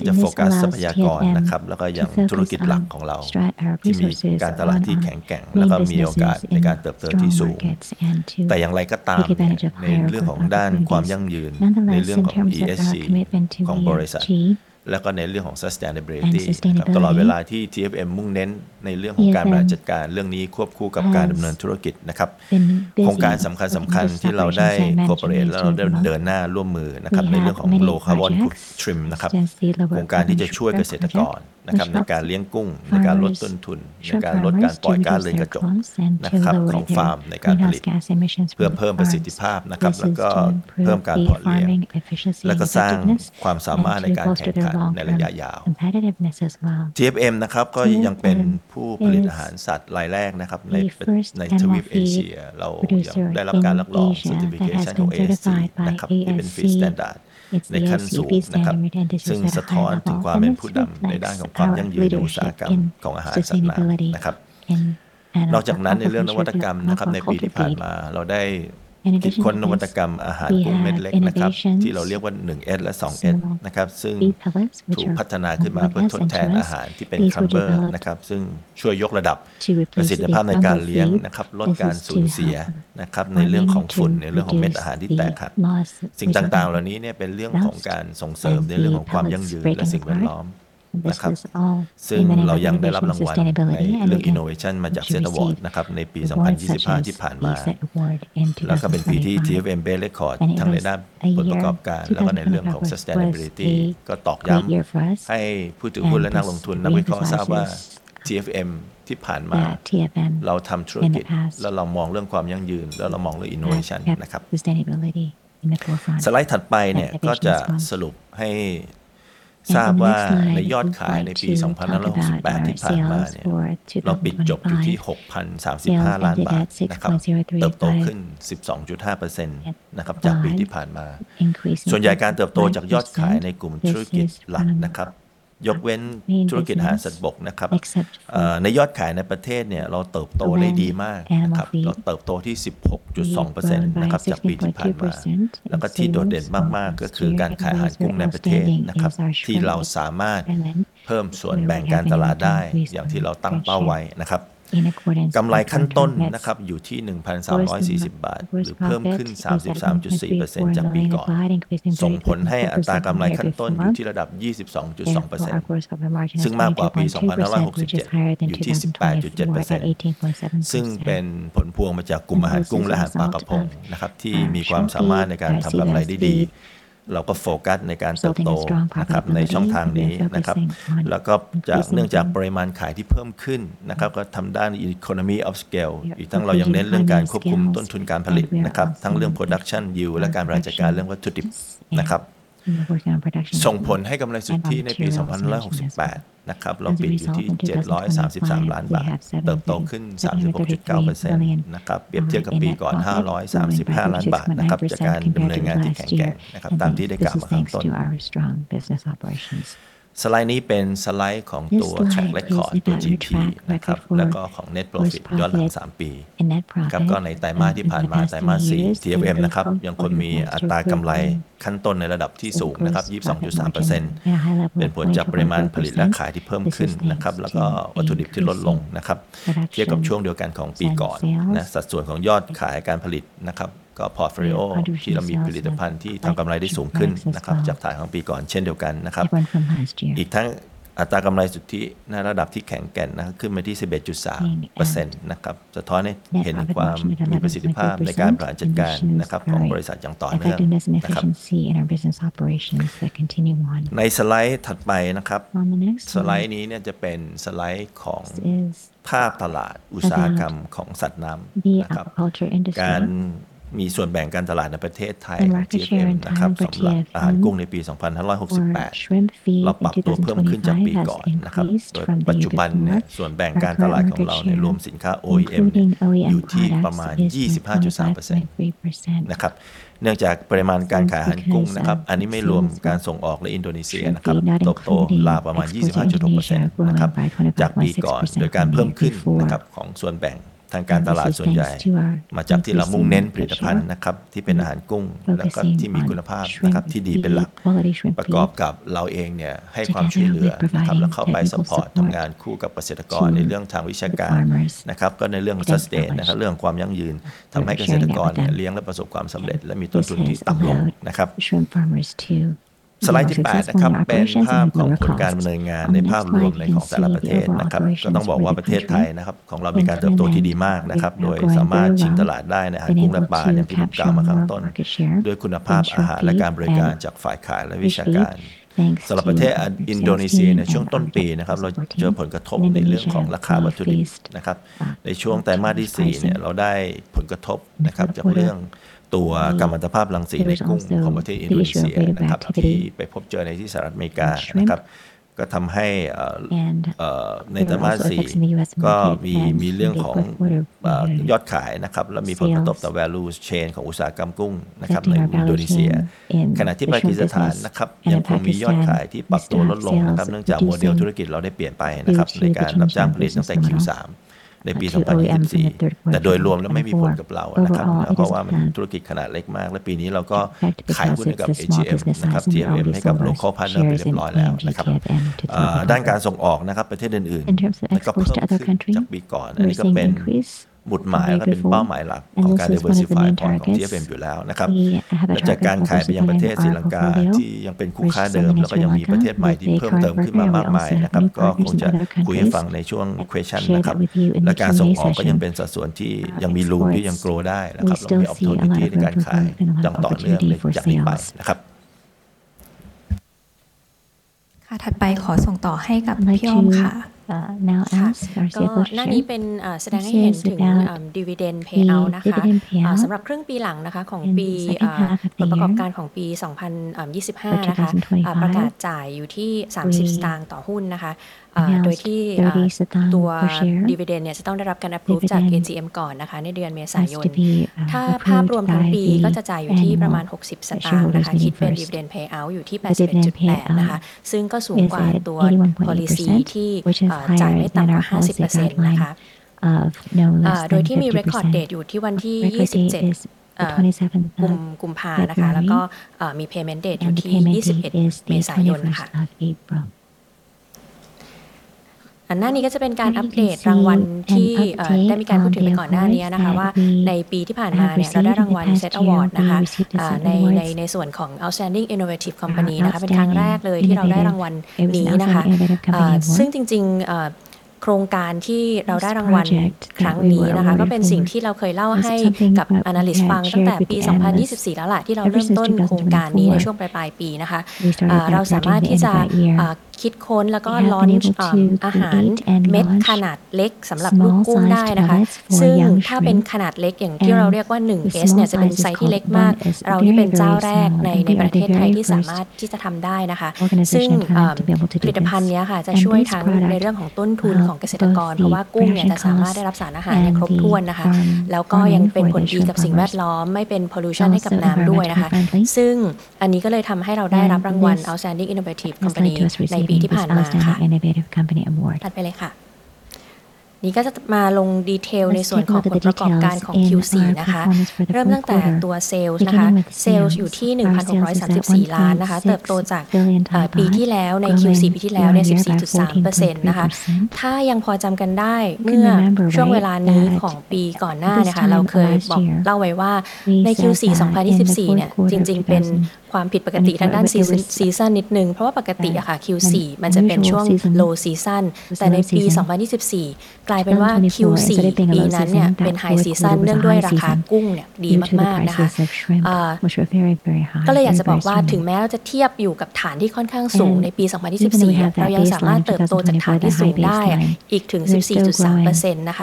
แต่อย่างไรก็ตามเนี่ยในเรื่องของด้านความยั่งยืนในเรื่องของ ESG ของบริษัทและก็ในเรื่องของ Sustainability นะครับตลอดเวลาที่ TFM มุ่งเน้นในเรื่องของการบริหารจัดการเรื่องนี้ควบคู่กับการดำเนินธุรกิจนะครับโครงการสำคัญที่เราได้ cooperate และเราได้เดินหน้าร่วมมือนะครับในเรื่องของ Low Carbon Shrimp นะครับโครงการที่จะช่วยเกษตรกรนะครับในการเลี้ยงกุ้งในการลดต้นทุนในการลดการปล่อยก๊าซเรือนกระจกนะครับของฟาร์มในการผลิตเพื่อเพิ่มประสิทธิภาพนะครับแล้วก็เพิ่มการเพาะเลี้ยงและก็สร้างความสามารถในการแข่งขันในระยะยาว TFM นะครับก็ยังเป็นผู้ผลิตอาหารสัตว์รายแรกนะครับในทวีปเอเชียเรายังได้รับการรับรอง Certification ของ ASC นะครับที่เป็น Standard ในขั้นสูงนะครับซึ่งเรายังได้รับรางวัลในเรื่อง Innovation มาจาก SET Award นะครับในปี 2565 ที่ผ่านมาและก็เป็นปีที่ TFM เบรกเรคคอร์ดทั้งในด้านผลประกอบการแล้วก็ในเรื่องของ Sustainability ก็ตอกย้ำให้ผู้ถือหุ้นและนักลงทุนนักวิเคราะห์ทราบว่า TFM ที่ผ่านมาเราทำธุรกิจแล้วเรามองเรื่องความยั่งยืนแล้วเรามองเรื่อง Innovation นะครับสไลด์ถัดไปเนี่ยก็จะสรุปให้ทราบว่าในยอดขายในปี 2568 ที่ผ่านมาเนี่ยเราปิดจบอยู่ที่ 6,035 ล้านบาทนะครับเติบโตขึ้น 12.5% นะครับจากปีที่ผ่านมาส่วนใหญ่การเติบโตจากยอดขายในกลุ่มธุรกิจหลักนะครับยกเว้นธุรกิจอาหารสัตว์บกนะครับกำไรขั้นต้นนะครับอยู่ที่ 1,340 บาทหรือเพิ่มขึ้น 33.4% จากปีก่อนส่งผลให้อัตรากำไรขั้นต้นอยู่ที่ระดับ 22.2% ซึ่งมากกว่าปี 2567 อยู่ที่ 18.7% ซึ่งเป็นผลพวงมาจากกลุ่มอาหารกุ้งและอาหารปลากระพงนะครับที่มีความสามารถในการทำกำไรได้ดีเราก็โฟกัสในการเติบโตนะครับในช่องทางนี้นะครับแล้วก็จากเนื่องจากปริมาณขายที่เพิ่มขึ้นนะครับก็ทำด้าน Economy of Scale อีกทั้งเรายังเน้นเรื่องการควบคุมต้นทุนการผลิตนะครับทั้งเรื่อง Production Yield และการบริหารจัดการเรื่องวัตถุดิบนะครับส่งผลให้กำไรสุทธิในปี 2568 นะครับเราปิดอยู่ที่ 733 ล้านบาทเติบโตขึ้น 36.9% นะครับเปรียบเทียบกับปีก่อน 535 ล้านบาทนะครับจากการดำเนินงานที่แข็งแกร่งนะครับตามที่ได้กล่าวมาข้างต้นสไลด์นี้เป็นสไลด์ของตัว Track Record ตัว GP นะครับแล้วก็ของ Net Profit ย้อนหลังสามปีนะครับก็ในไตรมาสที่ผ่านมาไตรมาสสี่ TFM นะครับยังคงมีอัตรากำไรขั้นต้นในระดับที่สูงนะครับ 22.3% เป็นผลจากปริมาณผลิตและขายที่เพิ่มขึ้นนะครับแล้วก็วัตถุดิบที่ลดลงนะครับเทียบกับช่วงเดียวกันของปีก่อนและสัดส่วนของยอดขายการผลิตนะครับก็ Portfolio ที่เรามีผลิตภัณฑ์ที่ทำกำไรได้สูงขึ้นนะครับจากฐานของปีก่อนเช่นเดียวกันนะครับอีกทั้งอัตรากำไรสุทธิในระดับที่แข็งแกร่งขึ้นมาที่ 11.3% นะครับสะท้อนให้เห็นถึงความมีประสิทธิภาพในการบริหารจัดการนะครับของบริษัทอย่างต่อเนื่องนะครับในสไลด์ถัดไปนะครับสไลด์นี้เนี่ยจะเป็นสไลด์ของภาพตลาดอุตสาหกรรมของสัตว์น้ำนะครับการมีส่วนแบ่งการตลาดในประเทศไทย TFM นะครับสำหรับอาหารกุ้งในปี 2568 เราปรับตัวเพิ่มขึ้นจากปีก่อนนะครับโดยปัจจุบันเนี่ยส่วนแบ่งการตลาดของเราเนี่ยรวมสินค้า OEM อยู่ที่ประมาณ 25.3% นะครับเนื่องจากปริมาณการขายอาหารกุ้งนะครับอันนี้ไม่รวมการส่งออกและอินโดนีเซียนะครับเติบโตราวประมาณ 25.6% นะครับจากปีก่อนโดยการเพิ่มขึ้นนะครับของส่วนแบ่งทางการตลาดส่วนใหญ่มาจากที่เรามุ่งเน้นผลิตภัณฑ์นะครับที่เป็นอาหารกุ้งแล้วก็ที่มีคุณภาพนะครับที่ดีเป็นหลักประกอบกับเราเองเนี่ยให้ความช่วยเหลือนะครับแล้วเข้าไปซัพพอร์ตทำงานคู่กับเกษตรกรในเรื่องทางวิชาการนะครับก็ในเรื่องของ Sustain นะครับเรื่องของความยั่งยืนทำให้เกษตรกรเนี่ยเลี้ยงและประสบความสำเร็จและมีต้นทุนที่ต่ำลงนะครับในช่วงไตรมาสที่สี่เนี่ยเราได้ผลกระทบนะครับจากเรื่องตัวกัมมันตภาพรังสีในกุ้งของประเทศอินโดนีเซียนะครับที่ไปพบเจอในที่สหรัฐอเมริกานะครับก็ทำให้ในไตรมาสสี่ก็มียอดขายนะครับและมีผลกระทบต่อ Value Chain ของอุตสาหกรรมกุ้งนะครับในอินโดนีเซียขณะที่ปากีสถานนะครับยังคงมียอดขายที่ปรับตัวลดลงนะครับเนื่องจากโมเดลธุรกิจเราได้เปลี่ยนไปนะครับโดยการรับจ้างผลิตตั้งแต่ Q3 ในปี 2024 แต่โดยรวมแล้วไม่มีผลกับเรานะครับเพราะว่ามันเป็นธุรกิจขนาดเล็กมากและปีนี้เราก็ขายหุ้นให้กับ AGM นะครับ TFM ให้กับ Local Partner เป็นเรียบร้อยแล้วนะครับด้านการส่งออกนะครับประเทศอื่นๆก็เพิ่มขึ้นจากปีก่อนอันนี้ก็เป็นหมุดหมายและก็เป็นเป้าหมายหลักของการ Diversify ของ TFM อยู่แล้วนะครับหลังจากการขายไปยังประเทศศรีลังกาที่ยังเป็นคู่ค้าเดิมและก็ยังมีประเทศใหม่ที่เพิ่มเติมขึ้นมามากมายนะครับก็คงจะคุยให้ฟังในช่วง Question นะครับและการส่งออกก็ยังเป็นสัดส่วนที่ยังมีรูมที่ยัง Grow ได้นะครับเรามี Opportunity ในการขายต่อเนื่องจากนี้ไปนะครับค่ะถัดไปขอส่งต่อให้กับพี่อ้อมค่ะหน้านี้เป็นแสดงให้เห็นถึง Dividend Payout สำหรับครึ่งปีหลังของปีผลประกอบการของปี 2025 ประกาศจ่ายอยู่ที่ 30 สตางค์ต่อหุ้นโดยที่ตัว Dividend นี้จะต้องได้รับการ Approve จาก AGM ก่อนในเดือนเมษายนถ้าภาพรวมทั้งปีก็จะจ่ายอยู่ที่ประมาณ 60 สตางค์คิดเป็น Dividend Payout อยู่ที่ 81.8% ซึ่งก็สูงกว่าตัว Policy ที่จ่ายไม่ต่ำกว่า 50% โดยที่มี Record Date อยู่ที่วันที่ 27 กุมภาพันธ์แล้วก็มี Payment Date อยู่ที่ 21 เมษายนหน้านี้ก็จะเป็นการอัปเดตรางวัลที่ได้มีการพูดถึงไปก่อนหน้านี้ว่าในปีที่ผ่านมานี้เราได้รางวัล SET Award ในส่วนของ Outstanding Innovative Company เป็นครั้งแรกเลยที่เราได้รางวัลนี้ซึ่งจริงๆโครงการที่เราได้รางวัลครั้งนี้ก็เป็นสิ่งที่เราเคยเล่าให้กับ Analyst ฟังตั้งแต่ปี 2024 แล้วที่เราเริ่มต้นโครงการนี้ในช่วงปลายๆปีเราสามารถที่จะคิดค้นแล้วก็ Launch อาหารเม็ดขนาดเล็กสำหรับลูกกุ้งได้ซึ่งถ้าเป็นขนาดเล็กอย่างที่เราเรียกว่า 1S นี้จะเป็นไซส์ที่เล็กมากเราเป็นเจ้าแรกในประเทศไทยที่สามารถที่จะทำได้ซึ่งผลิตภัณฑ์นี้จะช่วยทั้งในเรื่องของต้นทุนของเกษตรกรเพราะว่ากุ้งนี้จะสามารถได้รับสารอาหารอย่างครบถ้วนแล้วก็ยังเป็นผลดีกับสิ่งแวดล้อมไม่เป็น Pollution ให้กับน้ำด้วยซึ่งอันนี้ก็เลยทำให้เราได้รับรางวัล Outstanding Innovative Company ในปีที่ผ่านมาถัดไปนี้ก็จะมาลง Detail ในส่วนของผลประกอบการของ Q4 เริ่มตั้งแต่ตัว Sales อยู่ที่ 1,634 ล้านเติบโตจากปีที่แล้วใน Q4 ปีที่แล้วนี้ 14.3% ถ้ายังพอจำกันได้เมื่อช่วงเวลานี้ของปีก่อนหน้านี้เราเคยบอกเล่าไว้ว่าใน Q4 2024 นี้จริงๆเป็นความผิดปกติทางด้าน Season นิดหน่อยเพราะว่าปกติ Q4 มันจะเป็นช่วง Low Season แต่ในปี 2024 กลายเป็นว่า Q4 ปีนั้นนี้เป็น High Season เนื่องด้วยราคากุ้งนี้ดีมากๆก็เลยอยากจะบอกว่าถึงแม้ว่าจะเทียบอยู่กับฐานที่ค่อนข้างสูงในปี 2024 เรายังสามารถเติบโตจากฐานที่ High ได้อีกถึง 14.3%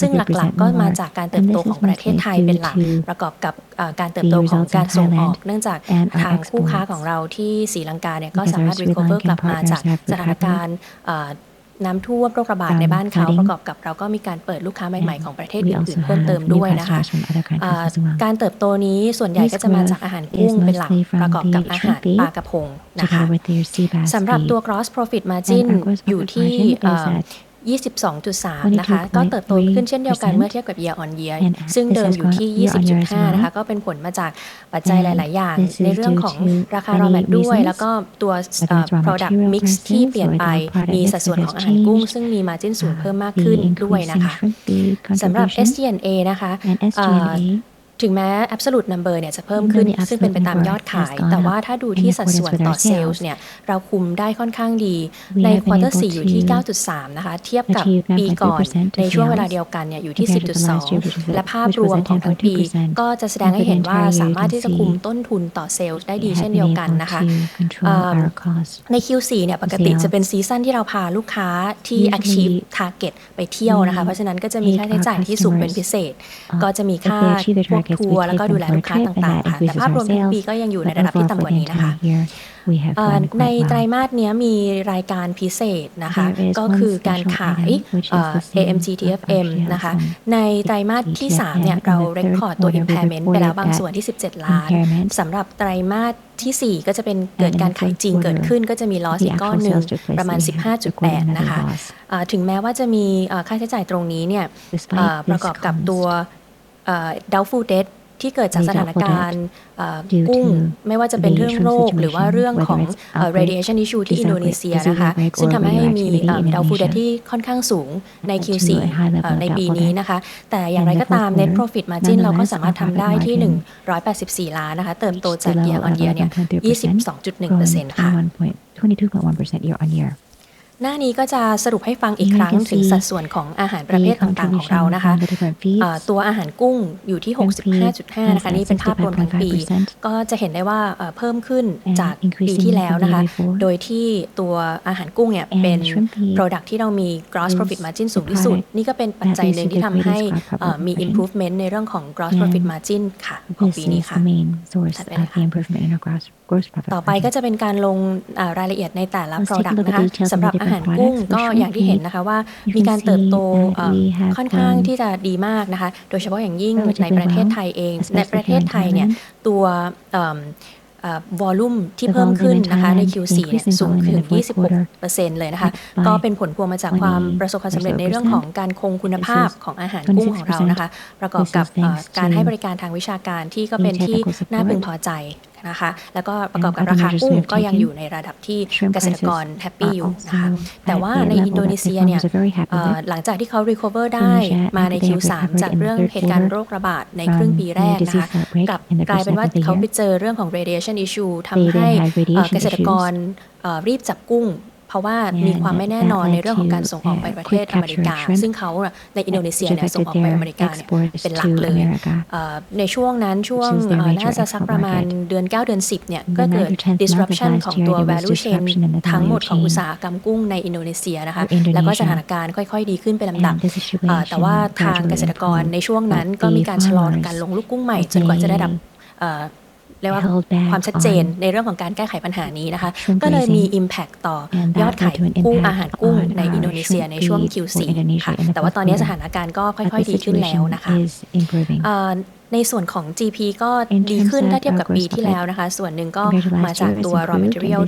ซึ่งหลักๆก็มาจากการเติบโตของประเทศไทยเป็นหลักประกอบกับการเติบโตของการส่งออกเนื่องจากทางคู่ค้าของเราที่ศรีลังกานี้ก็สามารถ Recover กลับมาจากสถานการณ์น้ำท่วมโรคระบาดในบ้านเขาประกอบกับเราก็มีการเปิดลูกค้าใหม่ๆของประเทศอื่นๆเพิ่มเติมด้วยการเติบโตนี้ส่วนใหญ่ก็จะมาจากอาหารกุ้งเป็นหลักประกอบกับอาหารปลากะพงสำหรับตัว Gross Profit Margin อยู่ที่ 22.3% ก็เติบโตขึ้นเช่นเดียวกันเมื่อเทียบกับ Year on Year ซึ่งเดิมอยู่ที่ 20.5% ก็เป็นผลมาจากปัจจัยหลายๆอย่างในเรื่องของราคา Raw Material ด้วยแล้วก็ตัว Product Mix ที่เปลี่ยนไปมีสัดส่วนของอาหารกุ้งซึ่งมี Margin สูงเพิ่มมากขึ้นด้วยสำหรับ SG&A ถึงแม้ Absolute Number นี้จะเพิ่มขึ้นซึ่งเป็นไปตามยอดขายแต่ว่าถ้าดูที่สัดส่วนต่อ Sales นี้เราคุมได้ค่อนข้างดีใน Quarter 4 อยู่ที่ 9.3% เทียบกับปีก่อนในช่วงเวลาเดียวกันนี้อยู่ที่ 10.2% และภาพรวมของทั้งปีก็จะแสดงให้เห็นว่าสามารถที่จะคุมต้นทุนต่อ Sales ได้ดีเช่นเดียวกันใน Q4 นี้ปกติจะเป็น Season ที่เราพาลูกค้าที่ Achieve Target ไปเที่ยวเพราะฉะนั้นก็จะมีค่าใช้จ่ายที่สูงเป็นพิเศษก็จะมีค่าพวกทัวร์แล้วก็ดูแลลูกค้าต่างๆแต่ภาพรวมทั้งปีก็ยังอยู่ในระดับที่ต่ำกว่านี้ในไตรมาสนี้มีรายการพิเศษก็คือการขาย AMG TFM ในไตรมาสที่สามนี้เรา Record ตัว Impairment ไปแล้วบางส่วนที่ 17 ล้านสำหรับไตรมาสที่สี่ก็จะเป็นเกิดการขายจริงเกิดขึ้นก็จะมี Loss อีกก้อนหนึ่งประมาณ 15.8 ล้านถึงแม้ว่าจะมีค่าใช้จ่ายตรงนี้นี้ประกอบกับตัว Doubtful Debt ที่เกิดจากสถานการณ์กุ้งไม่ว่าจะเป็นเรื่องโรคหรือว่าเรื่องของ Radiation Issue ที่อินโดนีเซียซึ่งทำให้มี Doubtful Debt ที่ค่อนข้างสูงใน Q4 ในปีนี้แต่อย่างไรก็ตาม Net Profit Margin เราก็สามารถทำได้ที่ 184 ล้านเติบโตจาก Year on Year นี้ 22.1% หน้านี้ก็จะสรุปให้ฟังอีกครั้งถึงสัดส่วนของอาหารประเภทต่างๆของเราตัวอาหารกุ้งอยู่ที่ 65.5% นี่เป็นภาพรวมทั้งปีก็จะเห็นได้ว่าเพิ่มขึ้นจากปีที่แล้วโดยที่ตัวอาหารกุ้งนี้เป็น Product ที่เรามี Gross Profit Margin สูงที่สุดนี่ก็เป็นปัจจัยหนึ่งที่ทำให้มี Improvement ในเรื่องของ Gross Profit Margin ของปีนี้ถัดไปต่อไปก็จะเป็นการลงรายละเอียดในแต่ละ Product สำหรับอาหารกุ้งก็อย่างที่เห็นว่ามีการเติบโตค่อนข้างที่จะดีมากโดยเฉพาะอย่างยิ่งในประเทศไทยเองในประเทศไทยนี้ตัว Volume ที่เพิ่มขึ้นใน Q4 นี้สูงถึง 26% เลยก็เป็นผลพวงมาจากความประสบความสำเร็จในเรื่องของการคงคุณภาพของอาหารกุ้งของเราประกอบกับการให้บริการทางวิชาการที่ก็เป็นที่น่าพึงพอใจแล้วก็ประกอบกับราคากุ้งก็ยังอยู่ในระดับที่เกษตรกรแฮปปี้อยู่แต่ว่าในอินโดนีเซียนี้หลังจากที่เขา Recover ได้มาใน Q3 จากเรื่องเหตุการณ์โรคระบาดในครึ่งปีแรกกลับกลายเป็นว่าเขาไปเจอเรื่องของ Radiation Issue ทำให้เกษตรกรรีบจับกุ้งเพราะว่ามีความไม่แน่นอนในเรื่องของการส่งออกไปประเทศอเมริกาซึ่งเขาในอินโดนีเซียนี้ส่งออกไปอเมริกานี้เป็นหลักเลยในช่วงนั้นน่าจะสักประมาณเดือนเก้าเดือนสิบนี้ก็เกิด Disruption ของตัว Value Chain ทั้งหมดของอุตสาหกรรมกุ้งในอินโดนีเซียแล้วก็สถานการณ์ค่อยๆดีขึ้นไปลำดับๆแต่ว่าทางเกษตรกรในช่วงนั้นก็มีการชะลอการลงลูกกุ้งใหม่จนกว่าจะได้รับความชัดเจนในเรื่องของการแก้ไขปัญหานี้ก็เลยมี Impact ต่อยอดขายอาหารกุ้งในอินโดนีเซียในช่วง Q4 แต่ว่าตอนนี้สถานการณ์ก็ค่อยๆดีขึ้นแล้วในส่วนของ GP ก็ดีขึ้นถ้าเทียบกับปีที่แล้วส่วนหนึ่งก็มาจากตัว Raw Material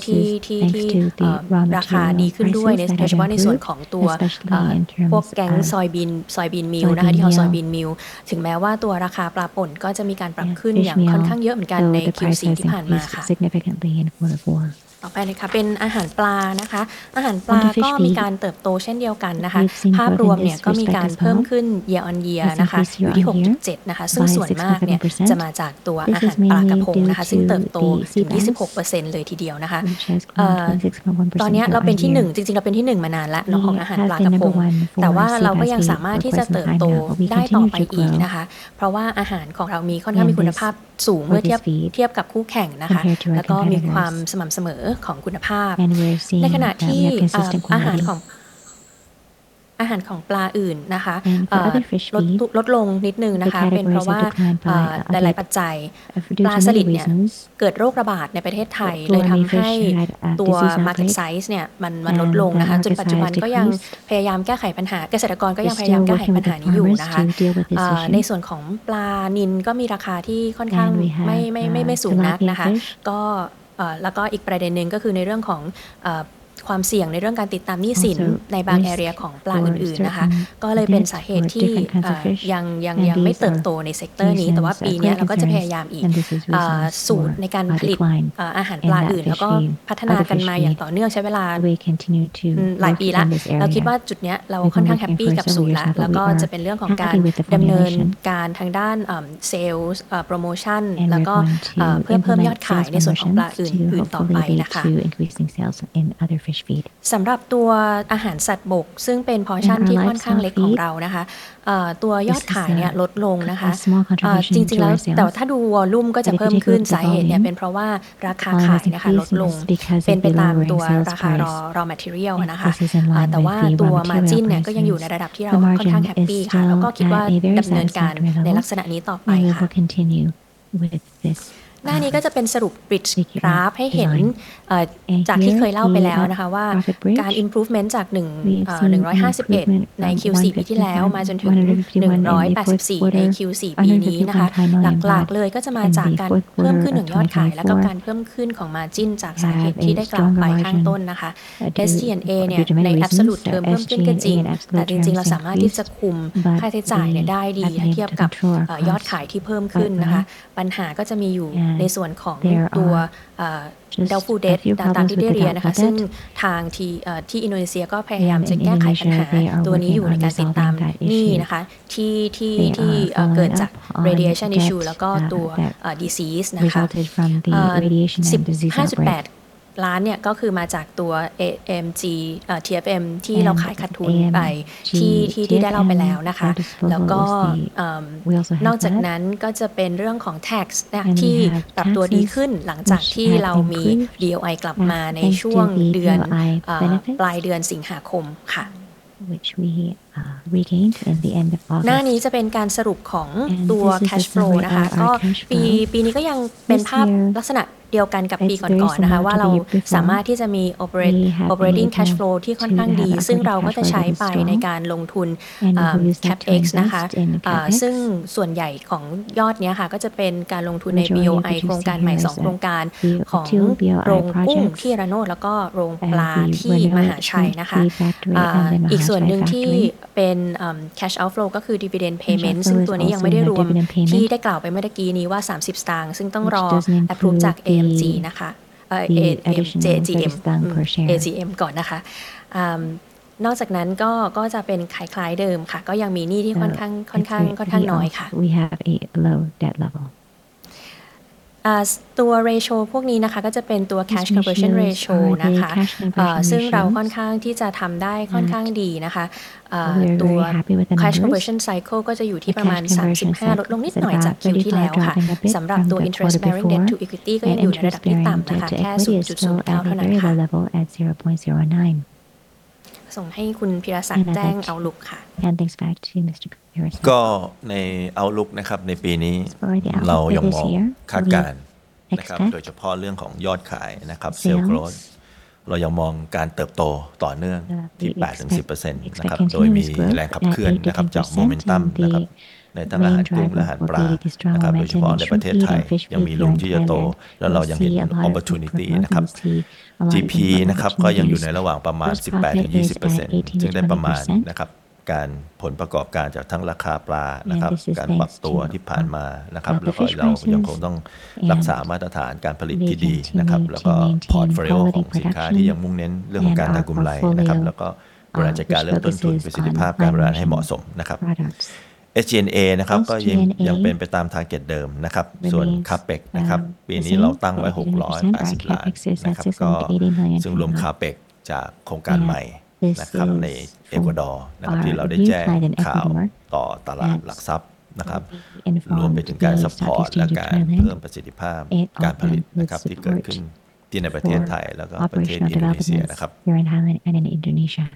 ที่ราคาดีขึ้นด้วยโดยเฉพาะในส่วนของตัวพวก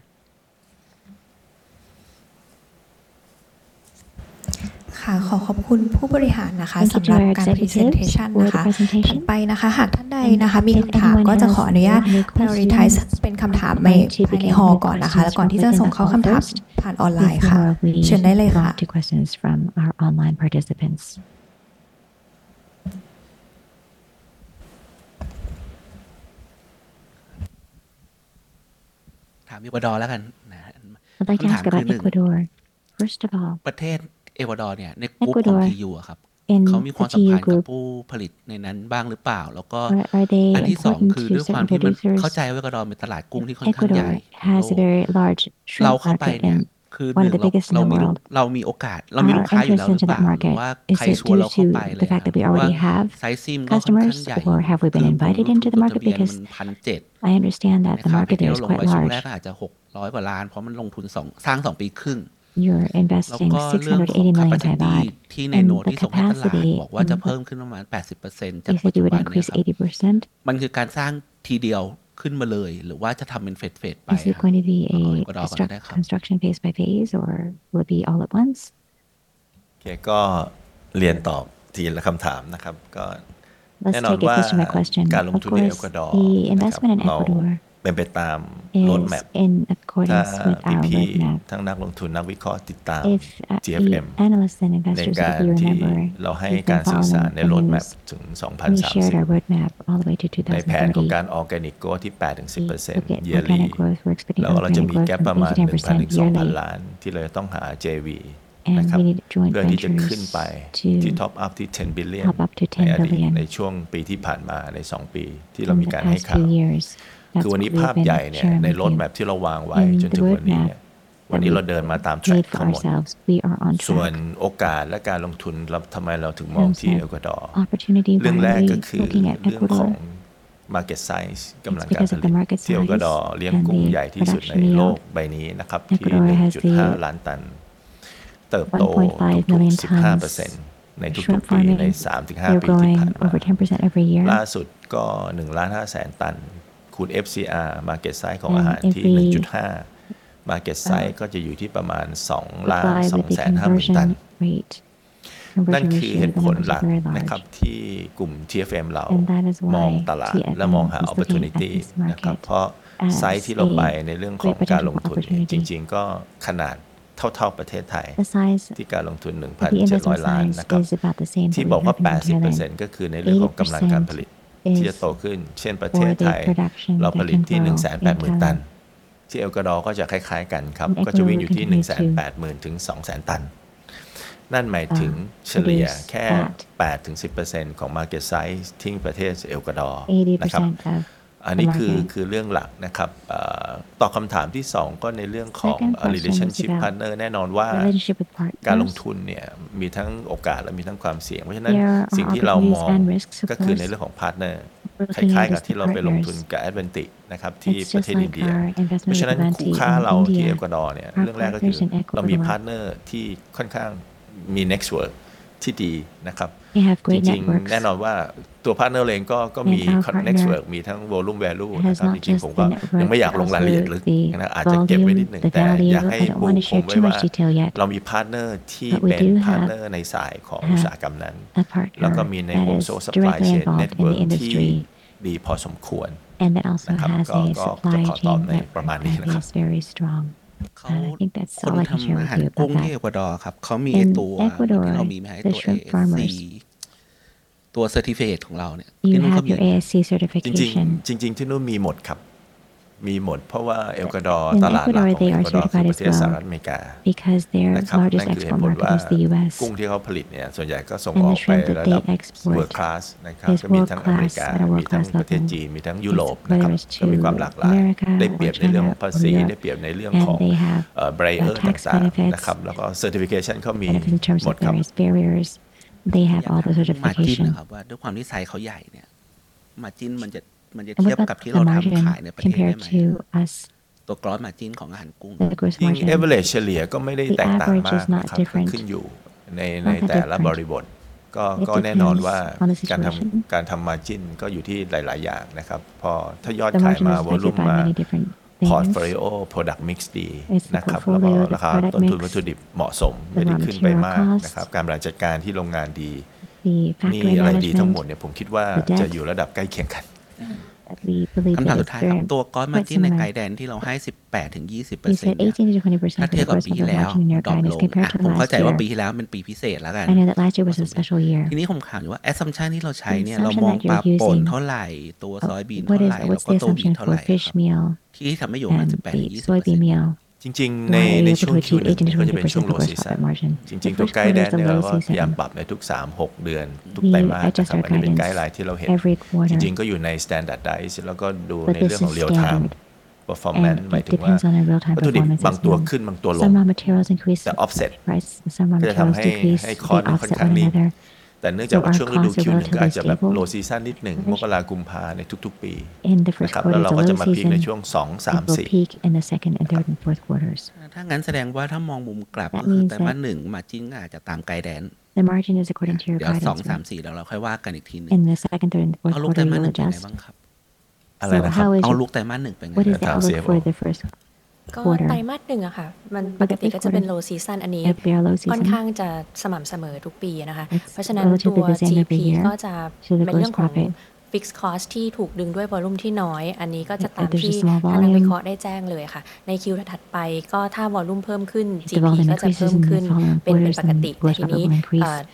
Soybean Meal Q4 ที่ผ่านมาต่อไปเป็นอาหารปลาอาหารปลาก็มีการเติบโตเช่นเดียวกันภาพรวมนี้ก็มีการเพิ่มขึ้น Year on Year 6.7%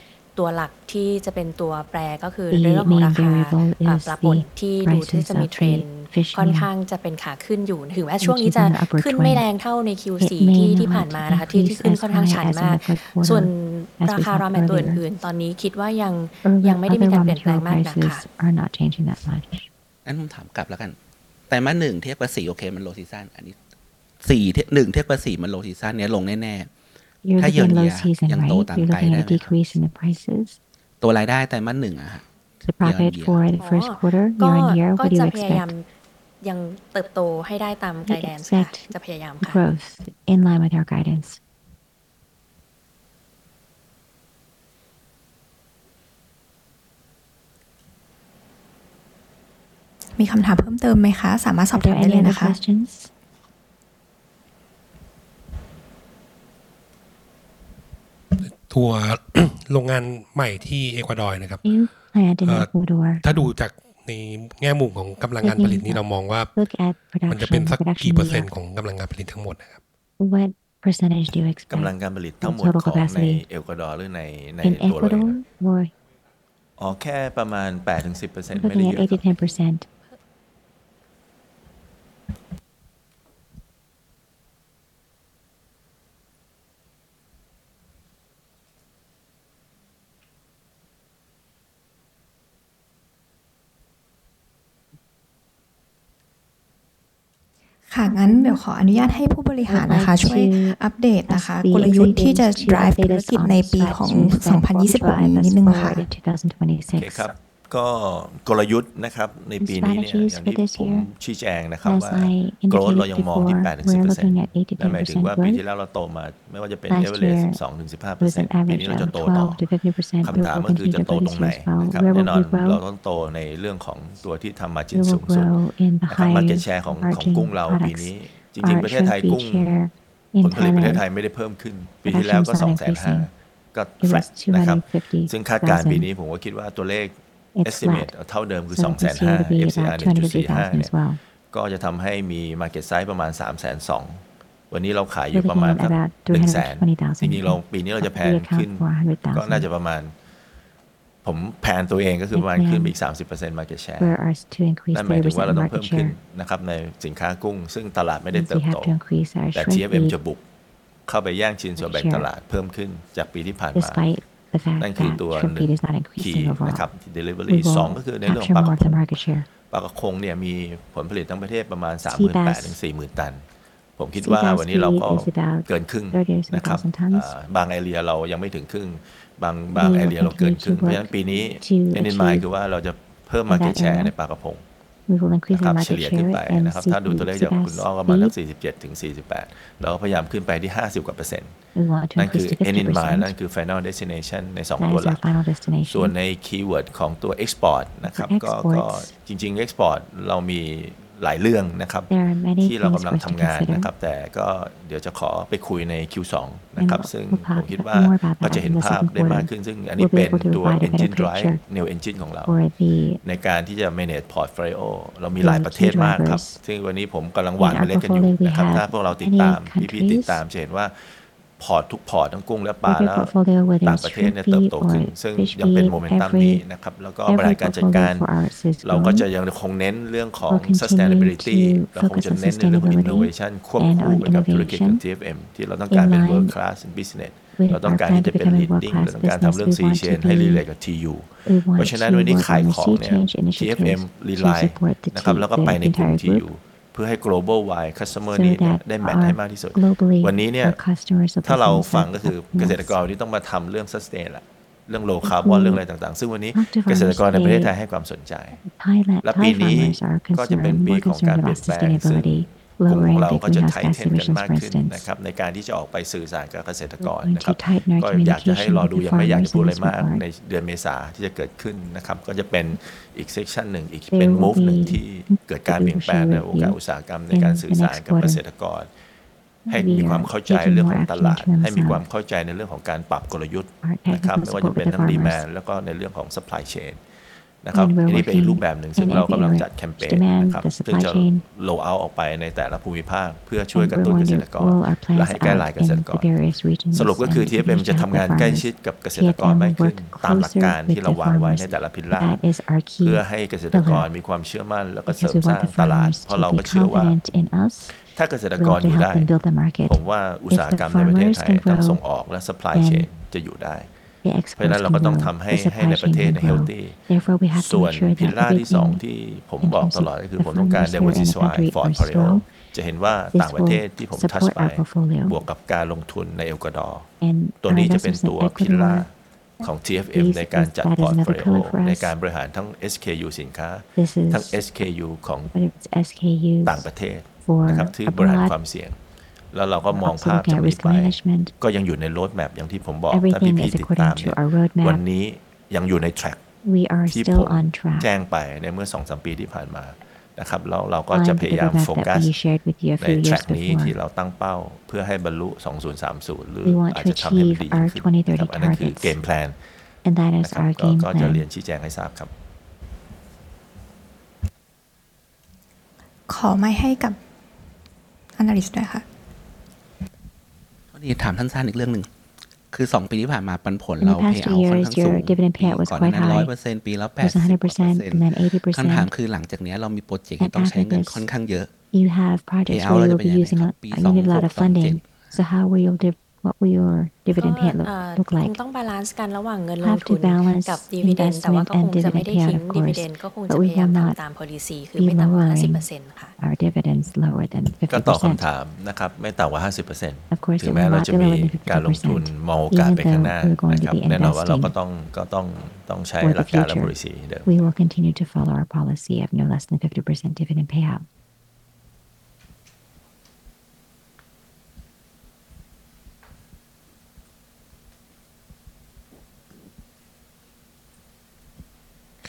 ตอนนี้เราเป็นที่หนึ่งจริงๆเราเป็นที่หนึ่งมานานแล้วของอาหารปลากะพงแต่ว่าเราแล้วก็มีความสม่ำเสมอของคุณภาพ Market Size นี้มันลดลงจนปัจจุบันก็ยังพยายามแก้ไขปัญหาเกษตรกรก็ยังพยายามแก้ไขปัญหานี้อยู่ในส่วนของปลานิลก็มีราคาที่ค่อนข้างไม่สูงนักแล้วก็อีกประเด็นหนึ่งก็คือในเรื่องของความเสี่ยงในเรื่องการติดตามหนี้สินในบาง Area ของปลาอื่นๆก็เลยเป็นสาเหตุที่ยังไม่เติบโตใน Sector นี้แต่ว่าปีนี้เราก็จะพยายามอีกศูนย์ในการผลิตอาหารปลาอื่นแล้วก็พัฒนากันมาอย่างต่อเนื่องใช้เวลาหลายปีแล้วเราคิดว่าจุดนี้เราค่อนข้างแฮปปี้กับศูนย์แล้วแล้วก็จะเป็นเรื่องของการดำเนินการทางด้าน Sales โปรโมชันและก็เพิ่มยอดขายในส่วนของปลาอื่นๆต่อไปสำหรับตัวอาหารสัตว์บกซึ่งเป็น Portion ที่ค่อนข้างเล็กของเราตัวยอดขายนี้ลดลงจริงๆแล้วแต่ถ้าดู Volume ก็จะเพิ่มขึ้นสาเหตุนี้เป็นเพราะว่าราคาขายลดลงเป็นไปตามตัวราคา Raw Material แต่ว่าตัวมาร์จิ้นนี้ก็ยังอยู่ในระดับที่เราค่อนข้างแฮปปี้แล้วก็คิดว่าดำเนินการในลักษณะนี้ต่อไปหน้านี้ก็จะเป็นสรุป Bridge กราฟให้เห็นจากที่เคยเล่าไปแล้วว่าการ Improvement จาก 151 ใน Q4 ปีที่แล้วมาจนถึง 184 ใน Q4 ปีนี้หลักๆเลยก็จะมาจากการเพิ่มขึ้นของยอดขายและก็การเพิ่มขึ้นของมาร์จิ้นจากสาเหตุที่ได้กล่าวไปข้างต้น SG&A นี้ใน Absolute เดิมเพิ่มขึ้นก็จริงแต่จริงๆเราสามารถที่จะคุมค่าใช้จ่ายนี้ได้ดีเทียบกับยอดขายที่เพิ่มขึ้นปัญหาก็จะมีอยู่ในส่วนของตัว Doubtful Debt ดังตามที่ได้เรียนซึ่งทางที่อินโดนีเซียก็พยายามจะแก้ไขปัญหาตัวนี้อยู่เหมือนกันเป็นตามหนี้ที่เกิดจาก Radiation Issue แล้วก็ตัว Disease 15.8 ล้านนี้ก็คือมาจากตัว AMG TFM ที่เราขายขาดทุนไปที่ได้เล่าไปแล้วแล้วก็นอกจากนั้นก็จะเป็นเรื่องของ Tax ที่ปรับตัวดีขึ้นหลังจากที่เรามี BOI กลับมาในช่วงเดือนปลายเดือนสิงหาคมหน้านี้จะเป็นการสรุปของตัว Cash Flow ปีนี้ก็ยังเป็นภาพลักษณะเดียวกันกับปีก่อนๆว่าเราสามารถที่จะมี Operating Cash Flow ที่ค่อนข้างดีซึ่งเราก็จะใช้ไปในการลงทุน Capex ซึ่งส่วนใหญ่ของยอดนี้ก็จะเป็นการลงทุนใน BOI โครงการใหม่สองโครงการของโรงกุ้งที่ระนอดแล้วก็โรงปลาที่มหาชัยอีกส่วนหนึ่งที่เป็น Cash Outflow ก็คือ Dividend Payment ซึ่งตัวนี้ยังไม่ได้รวมที่ได้กล่าวไปเมื่อตะกี้นี้ว่า 30 สตางค์ซึ่งต้องรอ Approve จาก AGM ก่อนนอกจากนั้นก็จะเป็นคล้ายๆเดิมก็ยังมีหนี้ที่ค่อนข้างน้อยตัว Ratio พวกนี้นะคะก็จะเป็นตัว Cash Conversion Ratio นะคะซึ่งเราค่อนข้างที่จะทำได้ค่อนข้างดีนะคะตัว Cash Conversion Cycle ก็จะอยู่ที่ประมาณสามสิบห้าลดลงนิดหน่อยจากปีที่แล้วค่ะสำหรับตัว Interest Bearing into Equity ก็ยังอยู่ในระดับที่ต่ำนะคะแค่ 0.09 นั่นเองค่ะส่งให้คุณพีรศักดิ์แจ้ง Outlook ค่ะก็ใน Outlook นะครับในปีนี้เรายังมองคาดการณ์นะครับโดยเฉพาะเรื่องของยอดขายนะครับ Sales Growth เรายังมองการเติบโตต่อเนื่องที่ 8 ถึง 10% นะครับโดยมีแรงขับเคลื่อนนะครับจาก momentum นะครับในทั้งอาหารกุ้งและอาหารปลานะครับโดยเฉพาะในประเทศไทยยังมี room ที่จะโตและเรายังเห็น opportunity นะครับ GP นะครับก็ยังอยู่ในระหว่างประมาณ 18 ถึง 20% ซึ่งได้ประมาณนะครับการผลประกอบการจากทั้งราคาปลานะครับการปรับตัวที่ผ่านมานะครับแล้วก็เรายังคงต้องรักษามาตรฐานการผลิตที่ดีนะครับแล้วก็ Portfolio ของสินค้าที่ยังมุ่งเน้นเรื่องของการทำกำไรนะครับแล้วก็บริหารจัดการเรื่องต้นทุนประสิทธิภาพการบริหารให้เหมาะสมนะครับ SG&A นะครับก็ยังเป็นไปตาม Target เดิมนะครับส่วน Capex นะครับปีนี้เราตั้งไว้ 680 ล้านนะครับก็ซึ่งรวม Capex จากโครงการใหม่นะครับในเอกวาดอร์นะครับที่เราได้แจ้งข่าวต่อตลาดหลักทรัพย์นะครับรวมไปถึงการ support และการเพิ่มประสิทธิภาพการผลิตนะครับที่เกิดขึ้นที่ในประเทศไทยแล้วก็ประเทศอินโดนีเซียนะครับค่ะขอขอบคุณผู้บริหารนะคะสำหรับการ Presentation นะคะถัดไปนะคะหากท่านใดนะคะมีคำถามก็จะขอนุญาต prioritize เป็นคำถามในภายใน Hall ก่อนนะคะแล้วก่อนที่จะส่งเข้าคำถามผ่านออนไลน์ค่ะเชิญได้เลยค่ะถามเอกวาดอร์แล้วกันนะถามข้อที่หนึ่งประเทศเอกวาดอร์เนี่ยในกรุ๊ปของ TU อะครับเขามีความสำคัญกับผู้ผลิตในนั้นบ้างหรือเปล่าแล้วก็อันที่สองคือด้วยความที่มันเข้าใจว่าเอกวาดอร์เป็นตลาดกุ้งที่ค่อนข้างใหญ่เราเข้าไปเนี่ยคือหนึ่งเรามีเรามีโอกาสเรามีโอกาสอยู่แล้วหรือเปล่าหรือว่าใครชวนเราเข้าไปหรือยังไงเพราะว่า Size ซีนเขาค่อนข้างใหญ่หนึ่งพันเราก็มีหนึ่งพันเจ็ดนะครับแล้วลงไปช่วงแรกก็อาจจะหกร้อยกว่าล้านเพราะมันลงทุนสองสร้างสองปีครึ่งแล้วก็เรื่องของ capacity ที่ในโน้ตที่ส่งให้ตลาดบอกว่าจะเพิ่มขึ้นประมาณ 80% จากปัจจุบันนะครับมันคือการสร้างทีเดียวขึ้นมาเลยหรือว่าจะทำเป็น Phase Phase ไปครับเอกวาดอร์ก็ได้ครับโอเคก็เรียนตอบทีละคำถามนะครับก็แน่นอนว่าการลงทุนในเอกวาดอร์นะครับเราเป็นไปตาม Roadmap ถ้าพี่ๆทั้งนักลงทุนนักวิเคราะห์ติดตาม GFM ในการที่เราให้การศึกษาใน Roadmap ถึง 2030 ในแผนของการ Organic Growth ที่ 8 ถึง 10% yearly แล้วเราจะมี gap ประมาณ 1,000 ถึง 2,000 ล้านที่เราจะต้องหา JV นะครับเพื่อที่จะขึ้นไปที่ top up ที่ ten billion ในอดีตในช่วงปีที่ผ่านมาในสองปีที่เรามีการให้ข่าวคือวันนี้ภาพใหญ่เนี่ยใน Roadmap ที่เราวางไว้จนถึงวันนี้วันนี้เราเดินมาตาม track ทั้งหมดส่วนโอกาสและการลงทุนเราทำไมเราถึงมองที่เอกวาดอร์เรื่องแรกก็คือเรื่องของ market size กำลังการผลิตที่เอกวาดอร์เลี้ยงกุ้งใหญ่ที่สุดในโลกใบนี้นะครับที่ 1.5 ล้านตันเติบโตทุกๆ 15% ในทุกๆปีในสามถึงห้าปีที่ผ่านมาล่าสุดก็ 1.5 แสนตันคูณ FCR market size ของอาหารที่ 1.5 market size ก็จะอยู่ที่ประมาณ 2.25 ล้านตันนั่นคือเหตุผลหลักนะครับที่กลุ่ม GFM เรามองตลาดและมองหา opportunity นะครับเพราะ size ที่ลงไปในเรื่องของการลงทุนเนี่ยจริงๆก็ขนาดเท่าๆประเทศไทยที่การลงทุน 1,700 ล้านนะครับที่บอกว่า 80% ก็คือในเรื่องของกำลังการผลิตที่จะโตขึ้นเช่นประเทศไทยเราผลิตที่ 180,000 ตันที่เอกวาดอร์ก็จะคล้ายๆกันครับก็จะวิ่งอยู่ที่ 180,000 ถึง 200,000 ตันนั่นหมายถึงเฉลี่ยแค่ 8 ถึง 10% ของ market size ที่ประเทศเอกวาดอร์นะครับอันนี้คือเรื่องหลักนะครับตอบคำถามที่สองก็ในเรื่องของ relationship partner แน่นอนว่าการลงทุนเนี่ยมีทั้งโอกาสและมีทั้งความเสี่ยงเพราะฉะนั้นสิ่งที่เรามองก็คือในเรื่องของ partner คล้ายๆกับที่เราไปลงทุนกับ Avanti นะครับที่ประเทศอินเดียเพราะฉะนั้นคู่ค้าเราที่เอกวาดอร์เนี่ยเรื่องแรกก็คือเรามี partner ที่ค่อนข้างมี network ที่ดีนะครับจริงๆแน่นอนว่าตัว partner เองก็มี network มีทั้ง volume value นะครับจริงๆผมก็ยังไม่อยากลงรายละเอียดลึกนะอาจจะเก็บไว้นิดนึงแต่อยากให้คงไว้ว่าเรามี partner ที่เป็น partner ในสายของอุตสาหกรรมนั้นแล้วก็มี network supply chain network ที่ดีพอสมควรนะครับก็ขอตอบ only ประมาณนี้นะครับเขาคนทำอาหารกุ้งที่เอกวาดอร์ครับเขามีไอตัวเขามีไหมตัว ASC ตัว Certificate ของเราเนี่ยที่นู่นเขามีไหมจริงๆจริงๆที่นู่นมีหมดครับมีหมดเพราะว่าเอกวาดอร์ตลาดหลักของเอกวาดอร์ก็คือประเทศสหรัฐอเมริกานะครับนั่นคือเหตุผลว่ากุ้งที่เขาผลิตเนี่ยส่วนใหญ่ก็ส่งออกไประดับ World Class นะครับก็มีทั้งอเมริกามีทั้งประเทศจีนมีทั้งยุโรปนะครับก็มีความหลากหลายได้เปรียบในเรื่องของภาษีได้เปรียบในเรื่องของ Barrier ต่างๆนะครับแล้วก็ Certification ก็มีหมดครับอยากถามอีกนิดนึงครับว่าด้วยความที่ Size เขาใหญ่เนี่ยมาร์จิ้นมันจะเทียบกับที่เราทำขายในประเทศได้ไหมตัว Gross Margin ของอาหารกุ้งจริงๆ Average เฉลี่ยก็ไม่ได้แตกต่างมากนะครับขึ้นอยู่ในในแต่ละบริบทก็ก็แน่นอนว่าการทำการทำมาร์จิ้นก็อยู่ที่หลายๆอย่างนะครับพอถ้ายอดขายมา Volume มา Portfolio Product Mix ดีนะครับแล้วก็ราคาต้นทุนวัตถุดิบเหมาะสมไม่ได้ขึ้นไปมากนะครับการบริหารจัดการที่โรงงานดีมีอะไรดีทั้งหมดเนี่ยผมคิดว่าจะอยู่ระดับใกล้เคียงกันคำถามสุดท้ายครับตัว Gross Margin ใน Guidance ที่เราให้สิบแปดถึงยี่สิบเปอร์เซ็นต์เนี่ยถ้าเทียบกับปีที่แล้วมันดรอปลงอ่ะผมเข้าใจว่าปีที่แล้วเป็นปีพิเศษแล้วกันทีนี้ผมถามว่า Assumption ที่เราใช้เนี่ยเรามองปลาป่นเท่าไหร่ตัวซอยบีนเท่าไหร่แล้วก็โตงเท่าไหร่ครับที่ทำให้อยู่ประมาณสิบแปดถึงยี่สิบเปอร์เซ็นต์จริงๆในช่วง Q1 ก็จะเป็นช่วง Low Season จริงๆตัว Guidance เนี่ยเราก็พยายามปรับในทุกสามหกเดือนทุกไตรมาสนะครับอันนี้เป็น Guideline ที่เราเห็นจริงๆก็อยู่ใน Standardized แล้วก็ดูในเรื่องของ Real Time Performance หมายถึงว่าวัตถุดิบบางตัวขึ้นบางตัวลงแต่ Offset ก็จะทำให้ Cost มันค่อนข้างนิ่งแต่เนื่องจากว่าช่วงฤดูชิลก็อาจจะแบบ Low Season นิดนึงมกราคมกุมภาในทุกๆปีนะครับแล้วเราก็จะมา Peak ในช่วงสองสามสี่นะครับถ้างั้นแสดงว่าถ้ามองมุมกลับก็คือไตรมาสหนึ่ง margin ก็อาจจะตาม guidance เดี๋ยวสองสามสี่แล้วเราค่อยว่ากันอีกทีหนึ่ง outlook ไตรมาสหนึ่งเป็นยังไงบ้างครับอะไรนะครับ Outlook ไตรมาสหนึ่งเป็นไงบ้างครับก็ไตรมาสหนึ่งอะค่ะมันปกติก็จะเป็น Low Season อันนี้ค่อนข้างจะสม่ำเสมอทุกปีนะคะเพราะฉะนั้นตัว GP ก็จะเป็นเรื่องของ Fixed Cost ที่ถูกดึงด้วย Volume ที่น้อยอันนี้ก็จะตามที่นักวิเคราะห์ได้แจ้งเลยค่ะใน Q ถัดๆไปก็ถ้า Volume เพิ่มขึ้น GP ก็จะเพิ่มขึ้นเป็นปกติแต่ทีนี้ตัวหลักที่จะเป็นตัวแปรก็คือในเรื่องของราคาปลาป่นที่ดูที่จะมี Trend ค่อนข้างจะเป็นขาขึ้นอยู่ถึงแม้ช่วงนี้จะขึ้นไม่แรงเท่าใน Q ที่ผ่านมานะคะที่ขึ้นค่อนข้างฉานมากส่วนราคา Raw Material ตัวอื่นๆตอนนี้คิดว่ายังไม่ได้มีการเปลี่ยนแปลงมากนักค่ะงั้นผมถามกลับแล้วกันไตรมาสหนึ่งเทียบกับสี่โอเคมัน Low Season อันนี้สี่เทียบหนึ่งเทียบกับสี่มัน Low Season เนี่ยลงแน่ๆถ้า Year on Year ยังโตตาม Guidance ไหมตัวรายได้ไตรมาสหนึ่งอะคะ Year on Year ก็จะพยายามยังเติบโตให้ได้ตาม Guidance ค่ะจะพยายามค่ะมีคำถามเพิ่มเติมไหมคะสามารถสอบถามได้เลยนะคะตัวโรงงานใหม่ที่เอกวาดอร์นะครับถ้าดูจากในแง่มุมของกำลังการผลิตนี่เรามองว่ามันจะเป็นสักกี่เปอร์เซ็นต์ของกำลังการผลิตทั้งหมดนะครับกำลังการผลิตทั้งหมดของในเอกวาดอร์หรือในในตัวเลยครับอ๋อ แค่ประมาณแปดถึงสิบ% ไม่ได้เยอะครับค่ะงั้นเดี๋ยวขออนุญาตให้ผู้บริหารนะคะช่วยอัปเดตนะคะกลยุทธ์ที่จะ Drive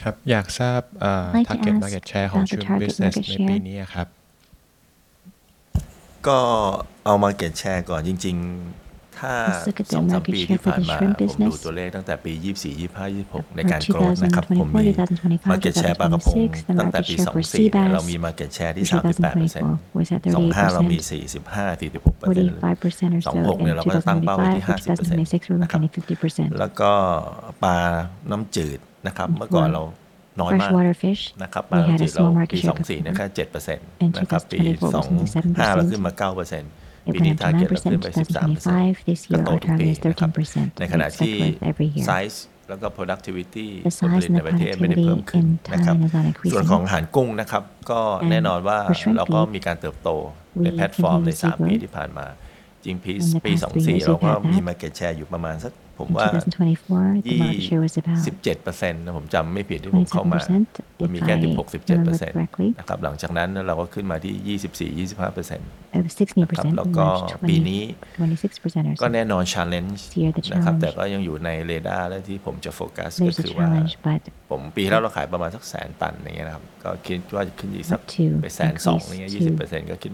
ธุรกิจในปีของ 2026 นิดนึงค่ะโอเคครับกลยุทธ์นะครับในปีนี้เนี่ยอย่างที่ผมชี้แจงนะครับว่า Growth เรายังมองที่ 8 ถึง 10% นั่นหมายถึงว่าปีที่แล้วเราโตมาไม่ว่าจะเป็น Average 12 ถึง 15% ปีนี้เราจะโตต่อคำถามก็คือจะโตตรงไหนนะครับแน่นอนเราต้องโตในเรื่องของตัวที่ทำมาร์จิ้นสูงสุด Market Share ของกุ้งเราปีนี้จริงๆประเทศไทยกุ้งผลผลิตในประเทศไทยไม่ได้เพิ่มขึ้นปีที่แล้วก็ 250,000 ก็ Flat นะครับซึ่งคาดการณ์ปีนี้ผมก็คิดว่าตัวเลข Estimate เท่าเดิมคือ 255.45 เนี่ยก็จะทำให้มี Market Size ประมาณ 320,000 วันนี้เราขายอยู่ประมาณสัก 100,000 ทีนี้เราปีนี้เราจะแพลนขึ้นก็น่าจะประมาณผมแพลนตัวเองก็คือประมาณขึ้นไปอีก 30% Market Share นั่นหมายถึงว่าเราต้องเพิ่มขึ้นนะครับในสินค้ากุ้งซึ่งตลาดไม่ได้เติบโตแต่ GFM จะบุกเข้าไปแย่งชิงส่วนแบ่งตลาดเพิ่มขึ้นจากปีที่ผ่านมานั่นคือตัวหนึ่ง Key นะครับ Delivery สองก็คือในเรื่องของปลากระพงปลากระพงเนี่ยมีผลผลิตทั้งประเทศประมาณ 38,000 ถึง 40,000 ตันผมคิดว่าวันนี้เราก็เกินครึ่งนะครับบาง Area เรายังไม่ถึงครึ่งบาง Area เราเกินครึ่งเพราะฉะนั้นปีนี้ End in Mind คือว่าเราจะเพิ่ม Market Share ในปลากระพงนะครับเฉลี่ยขึ้นไปนะครับถ้าดูตัวเลขจากคุณอ้อก็ประมาณสัก 47 ถึง 48 เราก็พยายามขึ้นไปที่ 50 กว่าเปอร์เซ็นต์นั่นคือ End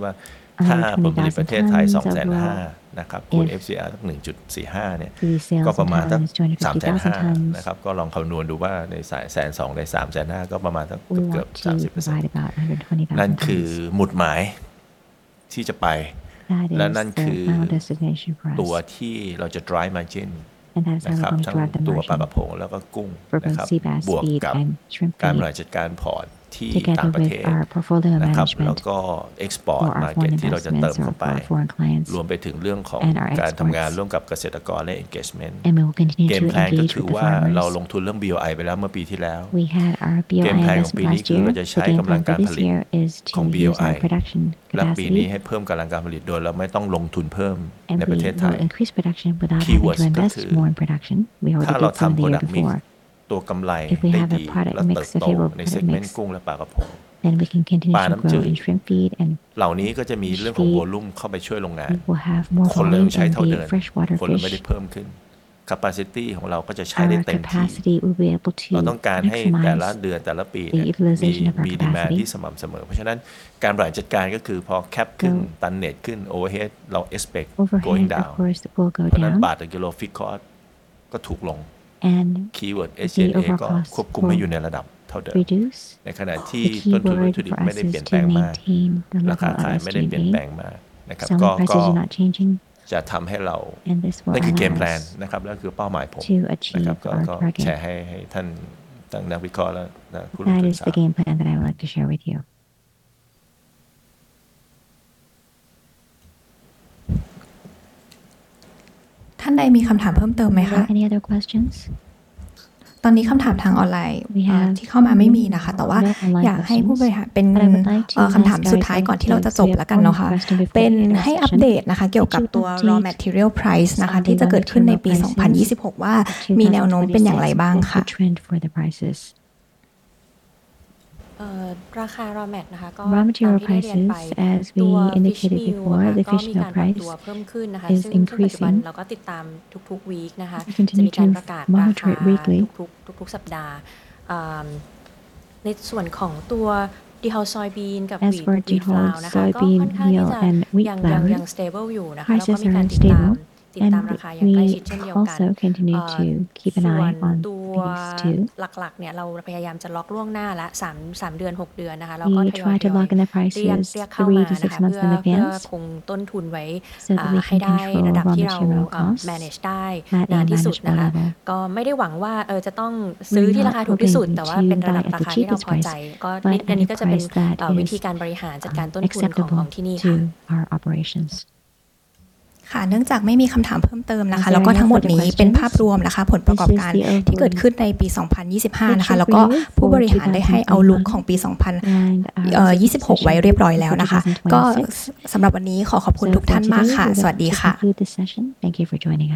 in Mind นั่นคือ Final Destination ในสองตัวหลักส่วนใน Raw Mat ค่ะก็อย่างที่เรียนไปค่ะตัว Fish Meal ก็มีการปรับตัวเพิ่มขึ้นนะคะซึ่งขึ้นมาสิ้นแล้วก็ติดตามทุกๆ week นะคะที่มีการประกาศราคาทุกๆสัปดาห์ในส่วนของตัว Dehulled Soybean กับ Wheat Flour นะคะก็ค่อนข้างที่จะยัง stable อยู่นะคะเราก็มีการติดตามราคาอย่างใกล้ชิดเช่นเดียวกันส่วนตัวหลักๆเนี่ยเราพยายามจะล็อกล่วงหน้าละสามเดือนหกเดือนนะคะแล้วก็ทยอยเรื่อยๆเสี้ยกเข้ามานะคะเพื่อคงต้นทุนไว้ให้ได้ในระดับที่เรา manage ได้มากที่สุดนะคะก็ไม่ได้หวังว่าจะต้องซื้อที่ราคาถูกที่สุดแต่ว่าเป็นระดับราคาที่เราพอใจก็นั่นก็จะเป็นวิธีการบริหารจัดการต้นทุนของที่นี่ค่ะค่ะเนื่องจากไม่มีคำถามเพิ่มเติมนะคะแล้วก็ทั้งหมดนี้เป็นภาพรวมนะคะผลประกอบการที่เกิดขึ้นในปี 2025 นะคะแล้วก็ผู้บริหารได้ให้ Outlook ของปี 2026 ไว้เรียบร้อยแล้วนะคะก็สำหรับวันนี้ขอขอบคุณทุกท่านมากค่ะสวัสดีค่ะ